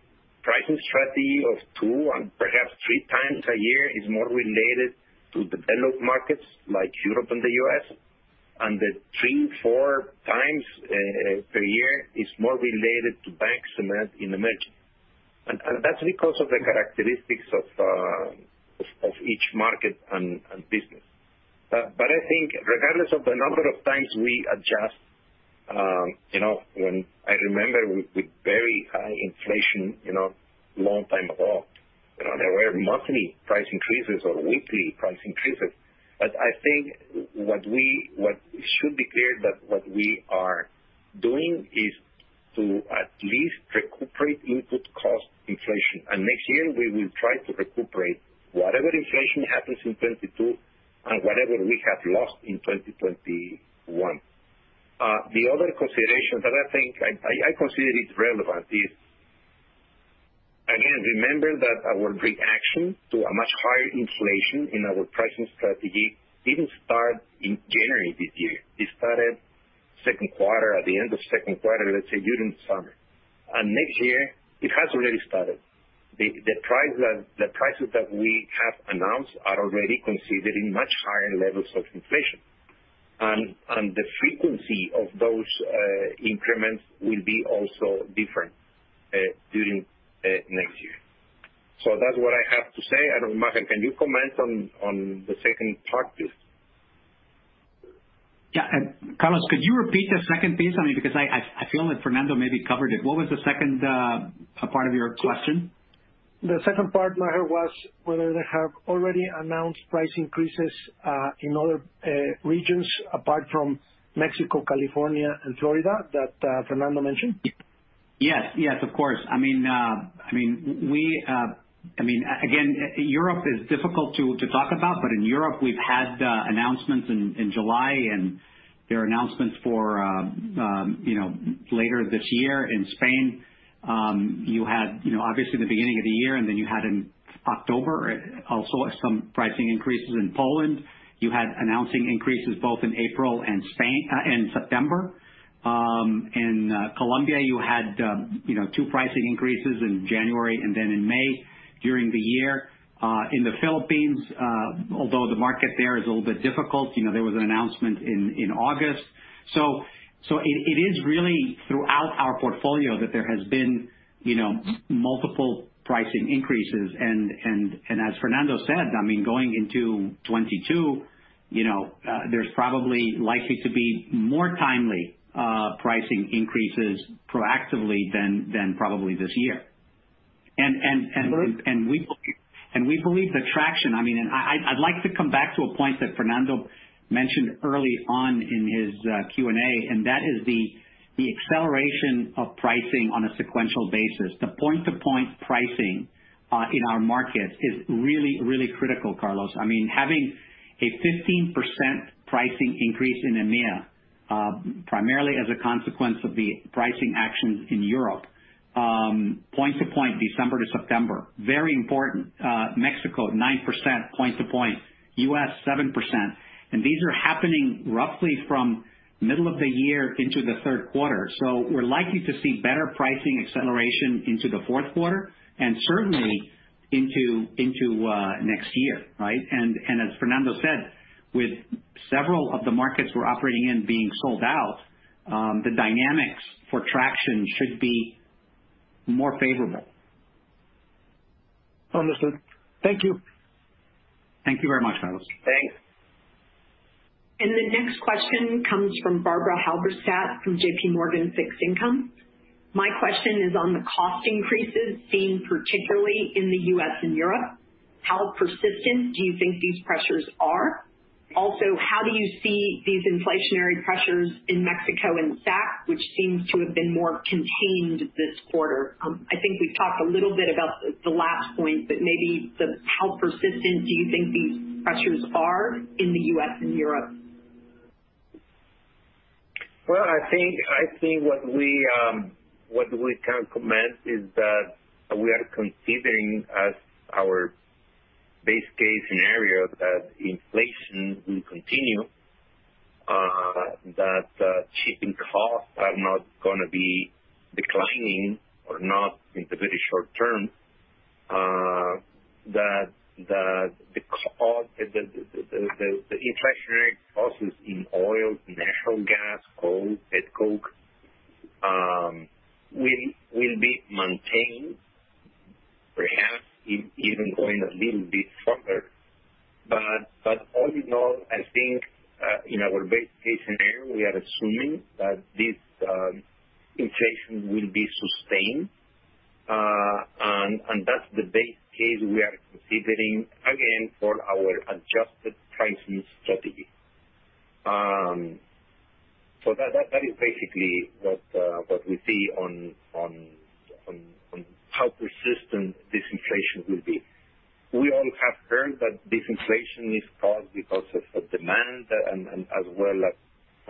pricing strategy of two and perhaps 3x a year is more related to developed markets like Europe and the U.S., and the 3x and 4x per year is more related to markets in emerging. That's because of the characteristics of each market and business. I think regardless of the number of times we adjust, you know, when I remember with very high inflation, you know, long time ago, you know, there were monthly price increases or weekly price increases. I think what we It should be clear that what we are doing is to at least recuperate input cost inflation. Next year we will try to recuperate whatever inflation happens in 2022 and whatever we have lost in 2021. The other consideration that I think I consider is relevant is, again, remember that our reaction to a much higher inflation in our pricing strategy didn't start in January this year. It started second quarter, at the end of second quarter, let's say during the summer. Next year it has already started. The prices that we have announced are already considering much higher levels of inflation. And the frequency of those increments will be also different during next year. So that's what I have to say. I don't know, Maher, can you comment on the second part please? Yeah. Carlos, could you repeat the second piece? I mean, because I feel like Fernando maybe covered it. What was the second part of your question? The second part, Maher, was whether they have already announced price increases in other regions apart from Mexico, California and Florida that Fernando mentioned. Yes, yes, of course. I mean, again, Europe is difficult to talk about, but in Europe we've had announcements in July and there are announcements for, you know, later this year in Spain. You had, you know, obviously the beginning of the year, and then you had in October also some pricing increases in Poland. You had announced increases both in April and Spain, and September. In Colombia you had, you know, two pricing increases in January and then in May during the year. In the Philippines, although the market there is a little bit difficult, you know, there was an announcement in August. So it is really throughout our portfolio that there has been, you know, multiple pricing increases. as Fernando said, I mean, going into 2022, you know, there's probably likely to be more timely pricing increases proactively than probably this year. Carlos? We believe the traction, I mean. I'd like to come back to a point that Fernando mentioned early on in his Q&A, and that is the acceleration of pricing on a sequential basis. The point-to-point pricing in our markets is really critical, Carlos. I mean, having a 15% pricing increase in EMEA, primarily as a consequence of the pricing actions in Europe, point to point, December to September, very important. Mexico, 9% point to point. U.S., 7%. These are happening roughly from middle of the year into the third quarter. We're likely to see better pricing acceleration into the fourth quarter and certainly into next year, right? As Fernando said, with several of the markets we're operating in being sold out, the dynamics for traction should be more favorable. Understood. Thank you. Thank you very much, Carlos. Thanks. The next question comes from Barbara Halberstadt from JPMorgan Fixed Income. My question is on the cost increases seen particularly in the U.S. and Europe. How persistent do you think these pressures are? Also, how do you see these inflationary pressures in Mexico and SCAC, which seems to have been more contained this quarter? I think we've talked a little bit about the last point, but maybe how persistent do you think these pressures are in the U.S. and Europe? Well, I think what we can comment is that we are considering as our base case scenario that inflation will continue, that shipping costs are not gonna be declining or not in the very short term. That the inflationary costs in oil, natural gas, coal, petcoke will be maintained, perhaps even going a little bit further. But all in all, I think in our base case scenario, we are assuming that this inflation will be sustained. That's the base case we are considering again for our adjusted pricing strategy. That is basically what we see on how persistent this inflation will be. We all have heard that this inflation is caused because of a demand and as well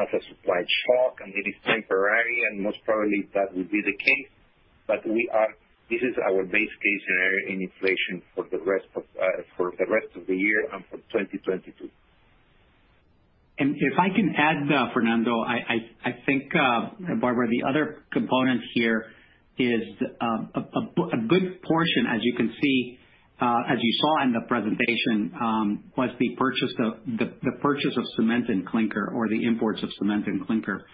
as a supply shock, and it is temporary, and most probably that will be the case. This is our base case scenario in inflation for the rest of the year and for 2022. If I can add, Fernando, I think, Barbara, the other component here is a good portion, as you saw in the presentation, was the purchase of cement and clinker, or the imports of cement and clinker,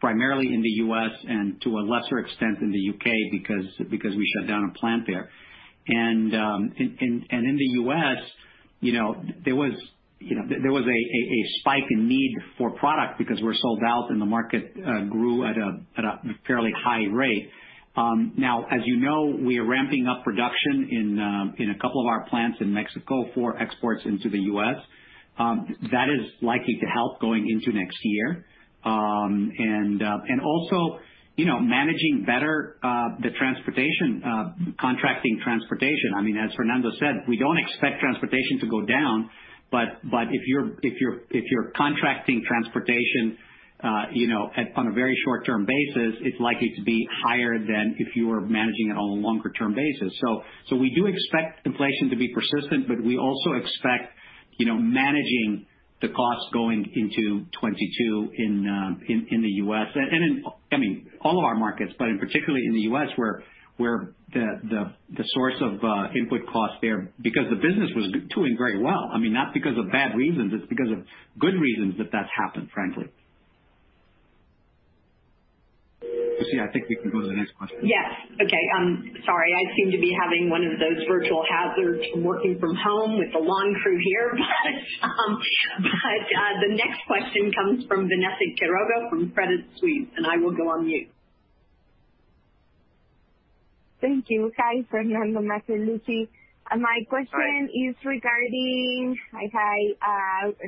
primarily in the U.S. and to a lesser extent in the U.K. because we shut down a plant there. In the U.S., you know, there was a spike in need for product because we're sold out and the market grew at a fairly high rate. Now, as you know, we are ramping up production in a couple of our plants in Mexico for exports into the U.S. That is likely to help going into next year. Also, you know, managing better the transportation contracting transportation. I mean, as Fernando said, we don't expect transportation to go down. If you're contracting transportation, you know, on a very short-term basis, it's likely to be higher than if you were managing it on a longer term basis. We do expect inflation to be persistent, but we also expect, you know, managing the costs going into 2022 in the US and in all of our markets, but particularly in the US where the source of input costs there because the business was doing very well. I mean, not because of bad reasons, it's because of good reasons that that's happened, frankly. Lucy, I think we can go to the next question. Yes. Okay. Sorry, I seem to be having one of those virtual hazards from working from home with the lawn crew here. The next question comes from Vanessa Quiroga from Credit Suisse, and I will go on mute. Thank you. Hi, Fernando. Maher Al-Haffar. My question is regarding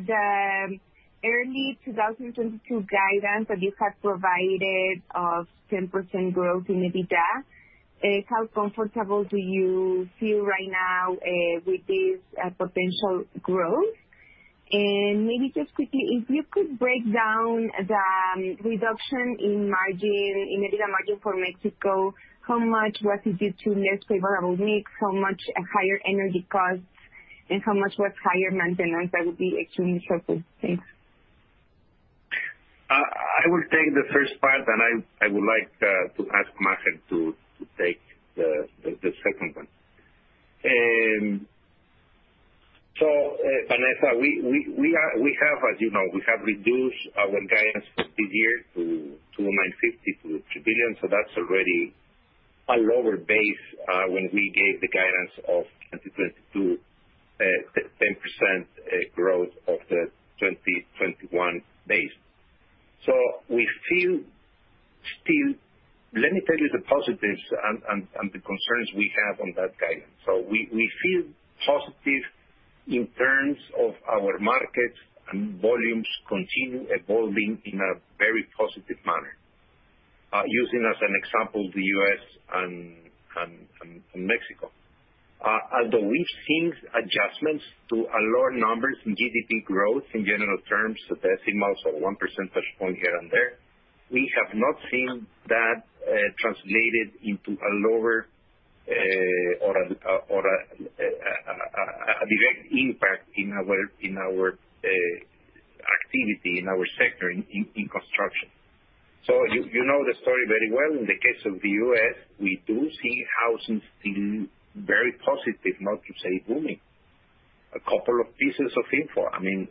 the early 2022 guidance that you have provided of 10% growth in EBITDA. How comfortable do you feel right now with this potential growth? Maybe just quickly, if you could break down the reduction in margin, in EBITDA margin for Mexico, how much was it due to less favorable mix, how much higher energy costs, and how much was higher maintenance? That would be extremely helpful. Thanks. I will take the first part, and I would like to ask Maher to take the second one. Vanessa, as you know, we have reduced our guidance for this year to $2.95 billion-$3 billion. That's already a lower base when we gave the guidance of 2022, 10% growth of the 2021 base. We feel still. Let me tell you the positives and the concerns we have on that guidance. We feel positive in terms of our markets and volumes continue evolving in a very positive manner. Using as an example the U.S. and Mexico. Although we've seen adjustments to lower numbers in GDP growth in general terms, so decimals or one percentage point here and there, we have not seen that translated into a lower direct impact in our activity, in our sector in construction. You know the story very well. In the case of the U.S., we do see housing still very positive, not to say booming. A couple of pieces of info. I mean,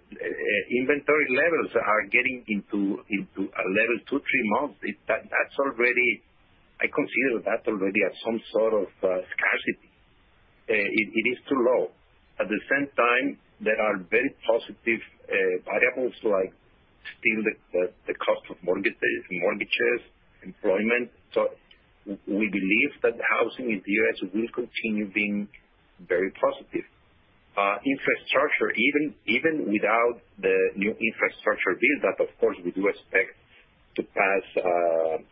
inventory levels are getting into a level 2, 3 months. That's already, I consider that already as some sort of scarcity. It is too low. At the same time, there are very positive variables like still the cost of mortgages, employment. We believe that housing in the U.S. will continue being very positive. Infrastructure, even without the new infrastructure bill that of course we do expect to pass,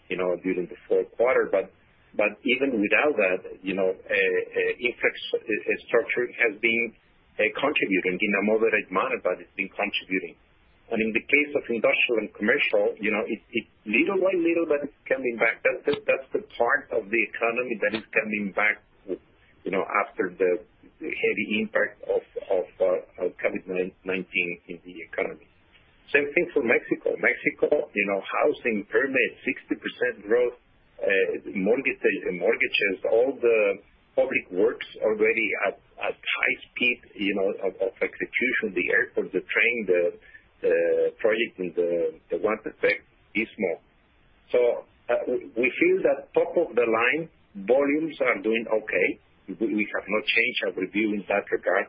during the fourth quarter. Even without that, infrastructure has been contributing. In a moderate manner, but it's been contributing. In the case of industrial and commercial, it's little by little, but it's coming back. That's the part of the economy that is coming back, after the heavy impact of COVID-19 in the economy. Same thing for Mexico. Mexico, housing permits 60% growth. Mortgages, all the public works already at high speed of execution, the airport, the train, the project in the water sector, Istmo. We feel that top line volumes are doing okay. We have not changed our view in that regard.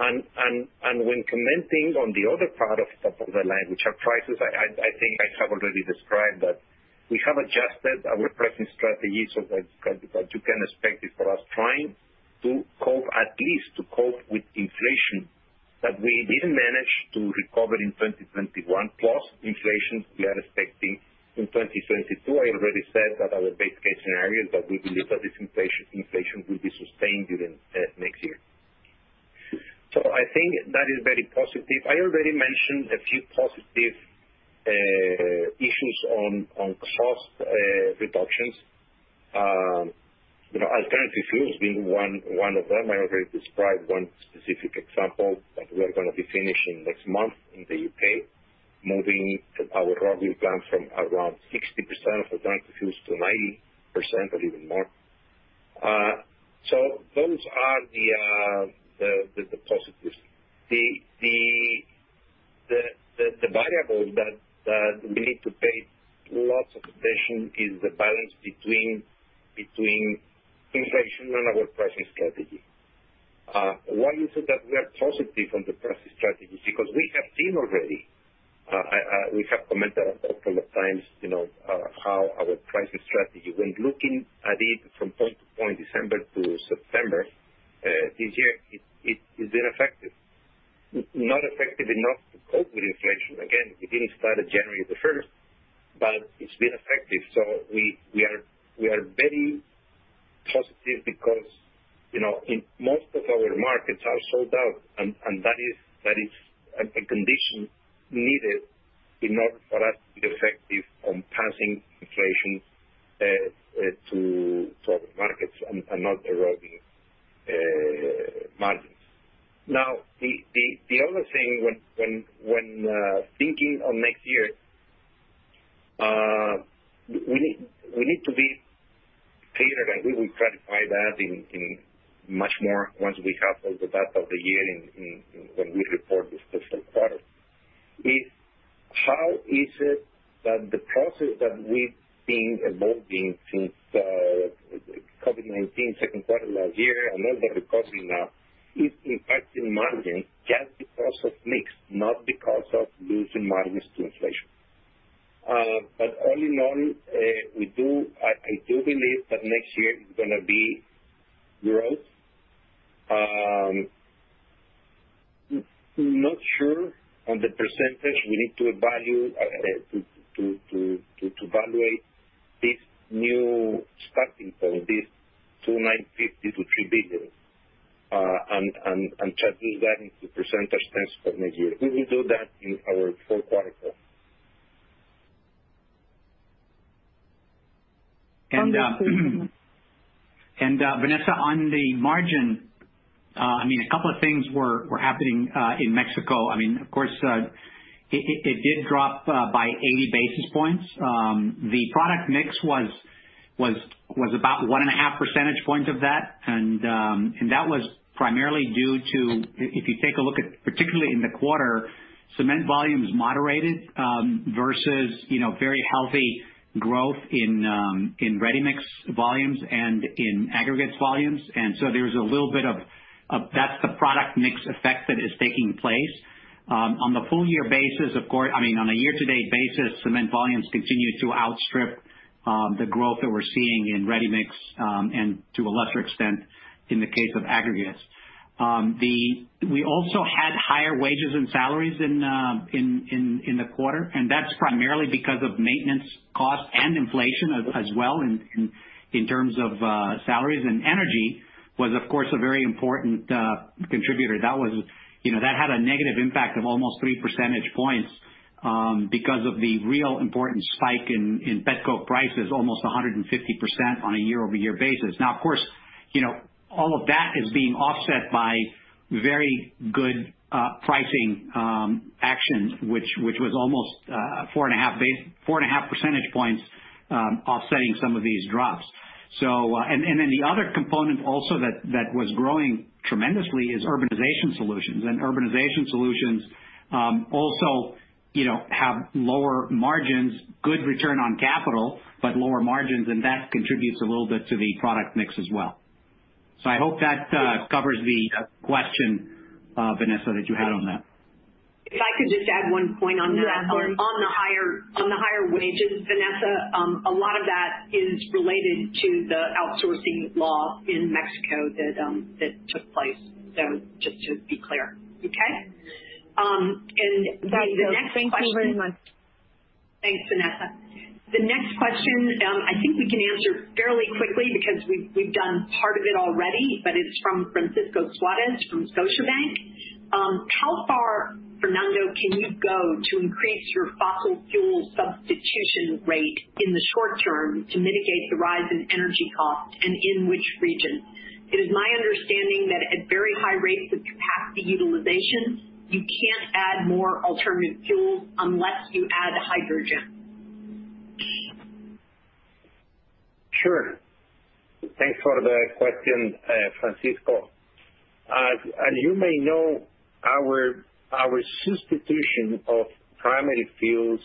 When commenting on the other part of top line, which are prices, I think I have already described that we have adjusted our pricing strategy. That you can expect it for us trying to cope, at least to cope with inflation that we didn't manage to recover in 2021. Plus inflation we are expecting in 2022. I already said that our base case scenario is that we believe that this inflation will be sustained during next year. I think that is very positive. I already mentioned a few positive issues on cost reductions. You know, alternative fuels being one of them. I already described one specific example that we are gonna be finishing next month in the U.K., moving our revenue down from around 60% of alternative fuels to 90% or even more. Those are the positives. The variable that we need to pay lots of attention is the balance between inflation and our pricing strategy. Why is it that we are positive on the pricing strategy? Because we have seen already, we have commented a couple of times, you know, how our pricing strategy, when looking at it from point to point, December to September, this year, it's been effective. Not effective enough to cope with inflation. Again, it only started January 1, but it's been effective. We are very positive because, you know, most of our markets are sold out, and that is a condition needed in order for us to be effective on passing inflation to our markets and not eroding margins. Now, the other thing when thinking of next year, we need to be clear, and we will clarify that in much more detail once we have all the data of the year in when we report in the first quarter is how the process that we've been evolving since COVID-19 second quarter last year and all that we're doing now is impacting margin just because of mix, not because of losing margins to inflation. All in all, we do. I do believe that next year is gonna be growth. Not sure on the percentage. We need to evaluate this new starting point, this $2.95 billion-$3 billion, and translate that into percentage terms for next year. We will do that in our fourth quarter call. Vanessa, on the margin, I mean, a couple of things were happening in Mexico. I mean, of course, It did drop by 80 basis points. The product mix was about 1.5 percentage points of that. That was primarily due to if you take a look at particularly in the quarter, cement volumes moderated versus you know very healthy growth in ready-mix volumes and in aggregates volumes. There's a little bit of that's the product mix effect that is taking place. On the full year basis of course, I mean, on a year-to-date basis, cement volumes continue to outstrip the growth that we're seeing in ready-mix, and to a lesser extent in the case of aggregates. We also had higher wages and salaries in the quarter, and that's primarily because of maintenance costs and inflation as well in terms of salaries. Energy was, of course, a very important contributor. That was, you know, that had a negative impact of almost 3 percentage points because of the really important spike in petcoke prices, almost 150% on a year-over-year basis. Now, of course, you know, all of that is being offset by very good pricing actions, which was almost 4.5 percentage points, offsetting some of these drops. Then the other component also that was growing tremendously is Urbanization Solutions. Urbanization Solutions also, you know, have lower margins, good return on capital, but lower margins, and that contributes a little bit to the product mix as well. I hope that covers the question, Vanessa, that you had on that. If I could just add one point on that. Yeah, of course. On the higher wages, Vanessa, a lot of that is related to the outsourcing law in Mexico that took place, so just to be clear. Okay? The next question. That's it. Thank you very much. Thanks, Vanessa. The next question, I think we can answer fairly quickly because we've done part of it already, but it's from Francisco Suarez from Scotiabank. How far, Fernando, can you go to increase your fossil fuel substitution rate in the short term to mitigate the rise in energy costs, and in which region? It is my understanding that at very high rates of capacity utilization, you can't add more alternative fuels unless you add hydrogen. Sure. Thanks for the question, Francisco. As you may know, our substitution of primary fuels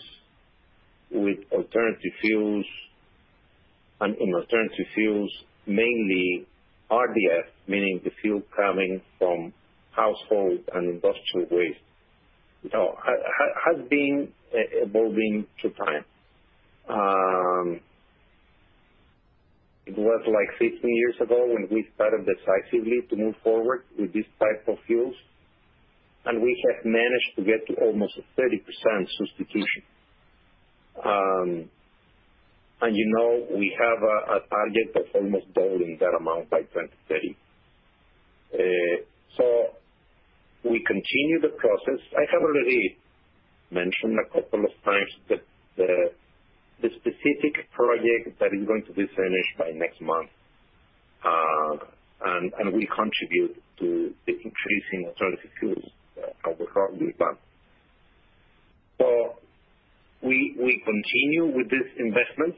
with alternative fuels and in alternative fuels, mainly RDF, meaning the fuel coming from household and industrial waste, has been evolving through time. It was like 15 years ago when we started decisively to move forward with this type of fuels, and we have managed to get to almost 30% substitution. You know, we have a target of almost doubling that amount by 2030. We continue the process. I have already mentioned a couple of times that the specific project that is going to be finished by next month and will contribute to the increasing alternative fuels as we've already done. We continue with this investment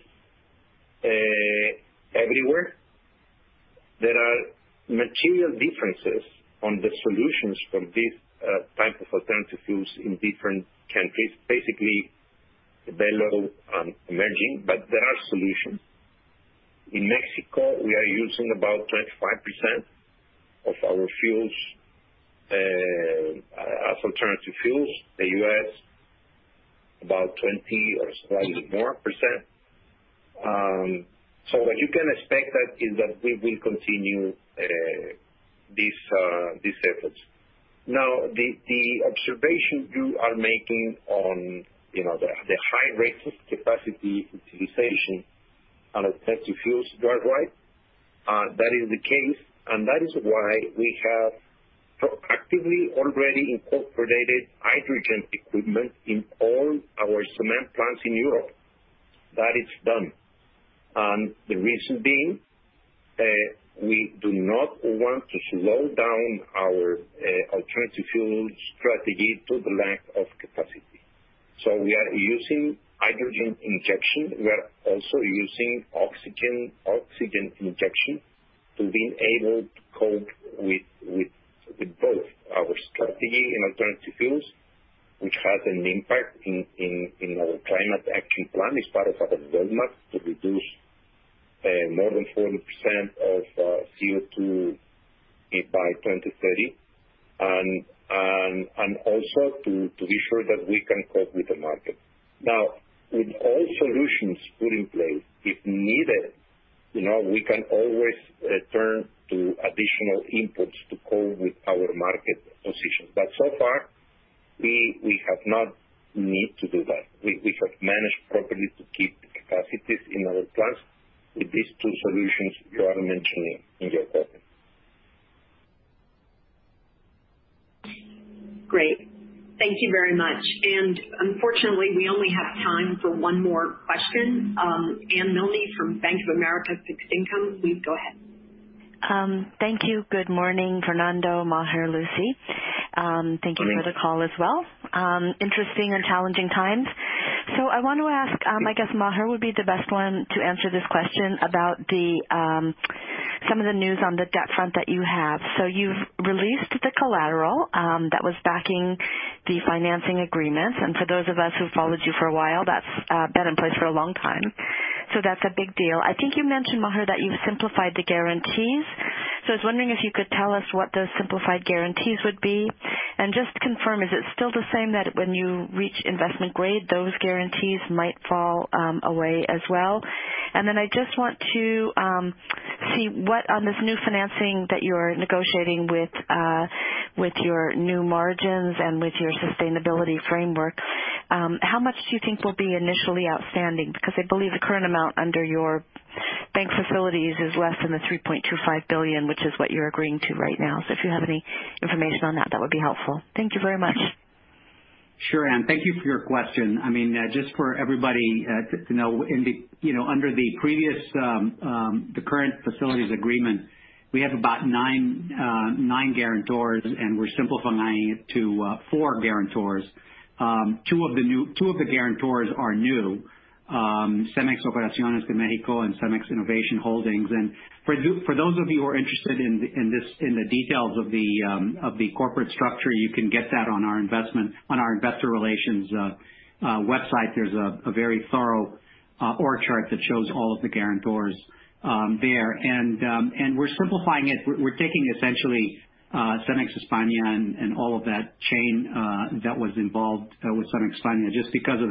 everywhere. There are material differences on the solutions from this type of alternative fuels in different countries, basically developed and emerging, but there are solutions. In Mexico, we are using about 25% of our fuels as alternative fuels. The US, about 20% or slightly more percent. What you can expect that is that we will continue this efforts. Now, the observation you are making on the high rates of capacity utilization and alternative fuels are right. That is the case, and that is why we have proactively already incorporated hydrogen equipment in all our cement plants in Europe. That is done. The reason being, we do not want to slow down our alternative fuel strategy to the lack of capacity. We are using hydrogen injection. We are also using oxygen injection to be able to cope with both our strategy in alternative fuels, which has an impact in our climate action plan as part of our commitment to reduce more than 40% of CO2 by 2030, and also to be sure that we can cope with the market. Now, with all solutions put in place, if needed, you know, we can always turn to additional inputs to cope with our market position. So far, we have not needed to do that. We have managed properly to keep the capacities in our plants with these two solutions you are mentioning in your question. Great. Thank you very much. Unfortunately, we only have time for one more question. Anne Milne from Bank of America Merrill Lynch, please go ahead. Thank you. Good morning, Fernando, Maher, Lucy. Thank you for the call as well. Interesting and challenging times. I want to ask, I guess Maher would be the best one to answer this question about some of the news on the debt front that you have. You've released the collateral that was backing the financing agreements, and for those of us who followed you for a while, that's been in place for a long time. That's a big deal. I think you mentioned, Maher, that you've simplified the guarantees. I was wondering if you could tell us what those simplified guarantees would be. Just to confirm, is it still the same that when you reach investment grade, those guarantees might fall away as well? I just want to see what on this new financing that you're negotiating with your new margins and with your sustainability framework, how much do you think will be initially outstanding? Because I believe the current amount under your bank facilities is less than the $3.25 billion, which is what you're agreeing to right now. If you have any information on that would be helpful. Thank you very much. Sure, Anne. Thank you for your question. I mean, just for everybody to know. You know, under the previous, the current facilities agreement, we have about nine guarantors, and we're simplifying it to four guarantors. Two of the guarantors are new, CEMEX Operaciones de Mexico and CEMEX Innovation Holdings. For those of you who are interested in this, in the details of the corporate structure, you can get that on our investor relations website. There's a very thorough org chart that shows all of the guarantors there. We're simplifying it. We're taking essentially CEMEX España and all of that chain that was involved with CEMEX España just because of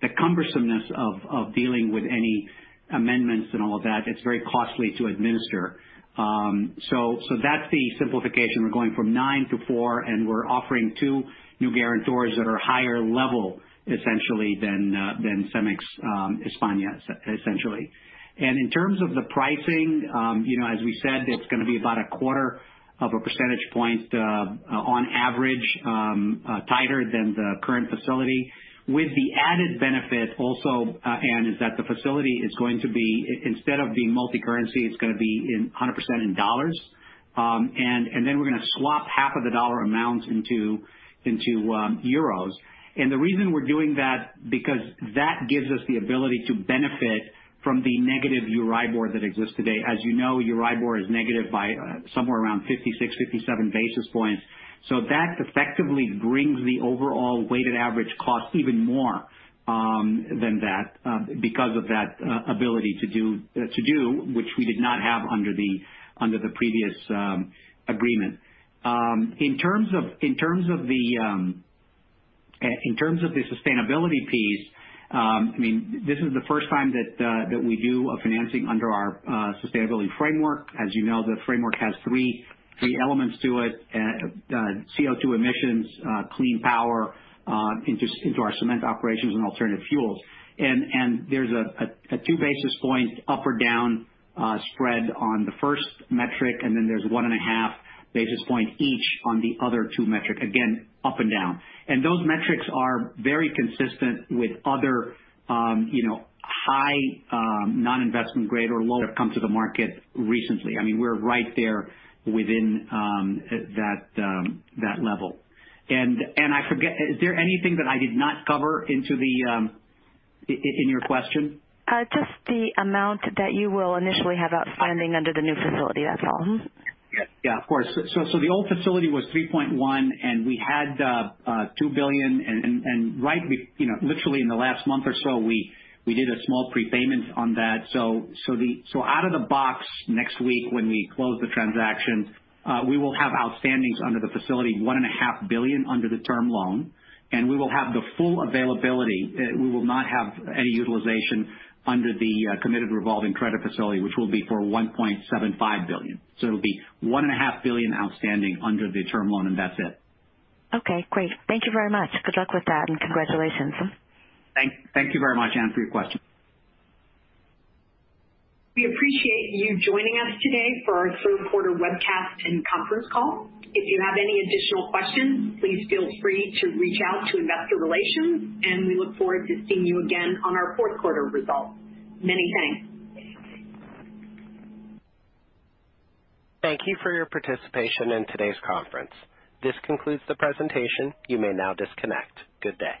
the cumbersomeness of dealing with any amendments and all of that. It's very costly to administer. So that's the simplification. We're going from 9-4, and we're offering two new guarantors that are higher level essentially than CEMEX España essentially. In terms of the pricing, you know, as we said, it's gonna be about a quarter of a percentage point on average tighter than the current facility with the added benefit also, and that the facility is going to be instead of being multicurrency, it's gonna be 100% in dollars. Then we're gonna swap half of the dollar amounts into euros. The reason we're doing that, because that gives us the ability to benefit from the negative EURIBOR that exists today. As you know, EURIBOR is negative by somewhere around 56, 57 basis points. That effectively brings the overall weighted average cost even more than that because of that ability to do which we did not have under the previous agreement. In terms of the sustainability piece, I mean, this is the first time that we do a financing under our sustainability framework. As you know, the framework has three elements to it, CO2 emissions, clean power into our cement operations and alternative fuels. There's a 2 basis point up or down spread on the first metric, and then there's 1.5 basis point each on the other two metric, again, up and down. Those metrics are very consistent with other high non-investment grade or low that come to the market recently. I mean, we're right there within that level. I forget, is there anything that I did not cover in your question? Just the amount that you will initially have outstanding under the new facility. That's all. Mm-hmm. Yeah, of course. The old facility was $3.1 billion, and we had $2 billion. And right you know, literally in the last month or so, we did a small prepayment on that. Out of the box next week when we close the transaction, we will have outstandings under the facility, $1.5 billion under the term loan, and we will have the full availability. We will not have any utilization under the committed revolving credit facility, which will be for $1.75 billion. It will be $1.5 billion outstanding under the term loan, and that's it. Okay, great. Thank you very much. Good luck with that, and congratulations. Thank you very much, Anne, for your question. We appreciate you joining us today for our third quarter webcast and conference call. If you have any additional questions, please feel free to reach out to investor relations, and we look forward to seeing you again on our fourth quarter results. Many thanks. Thank you for your participation in today's conference. This concludes the presentation. You may now disconnect. Good day.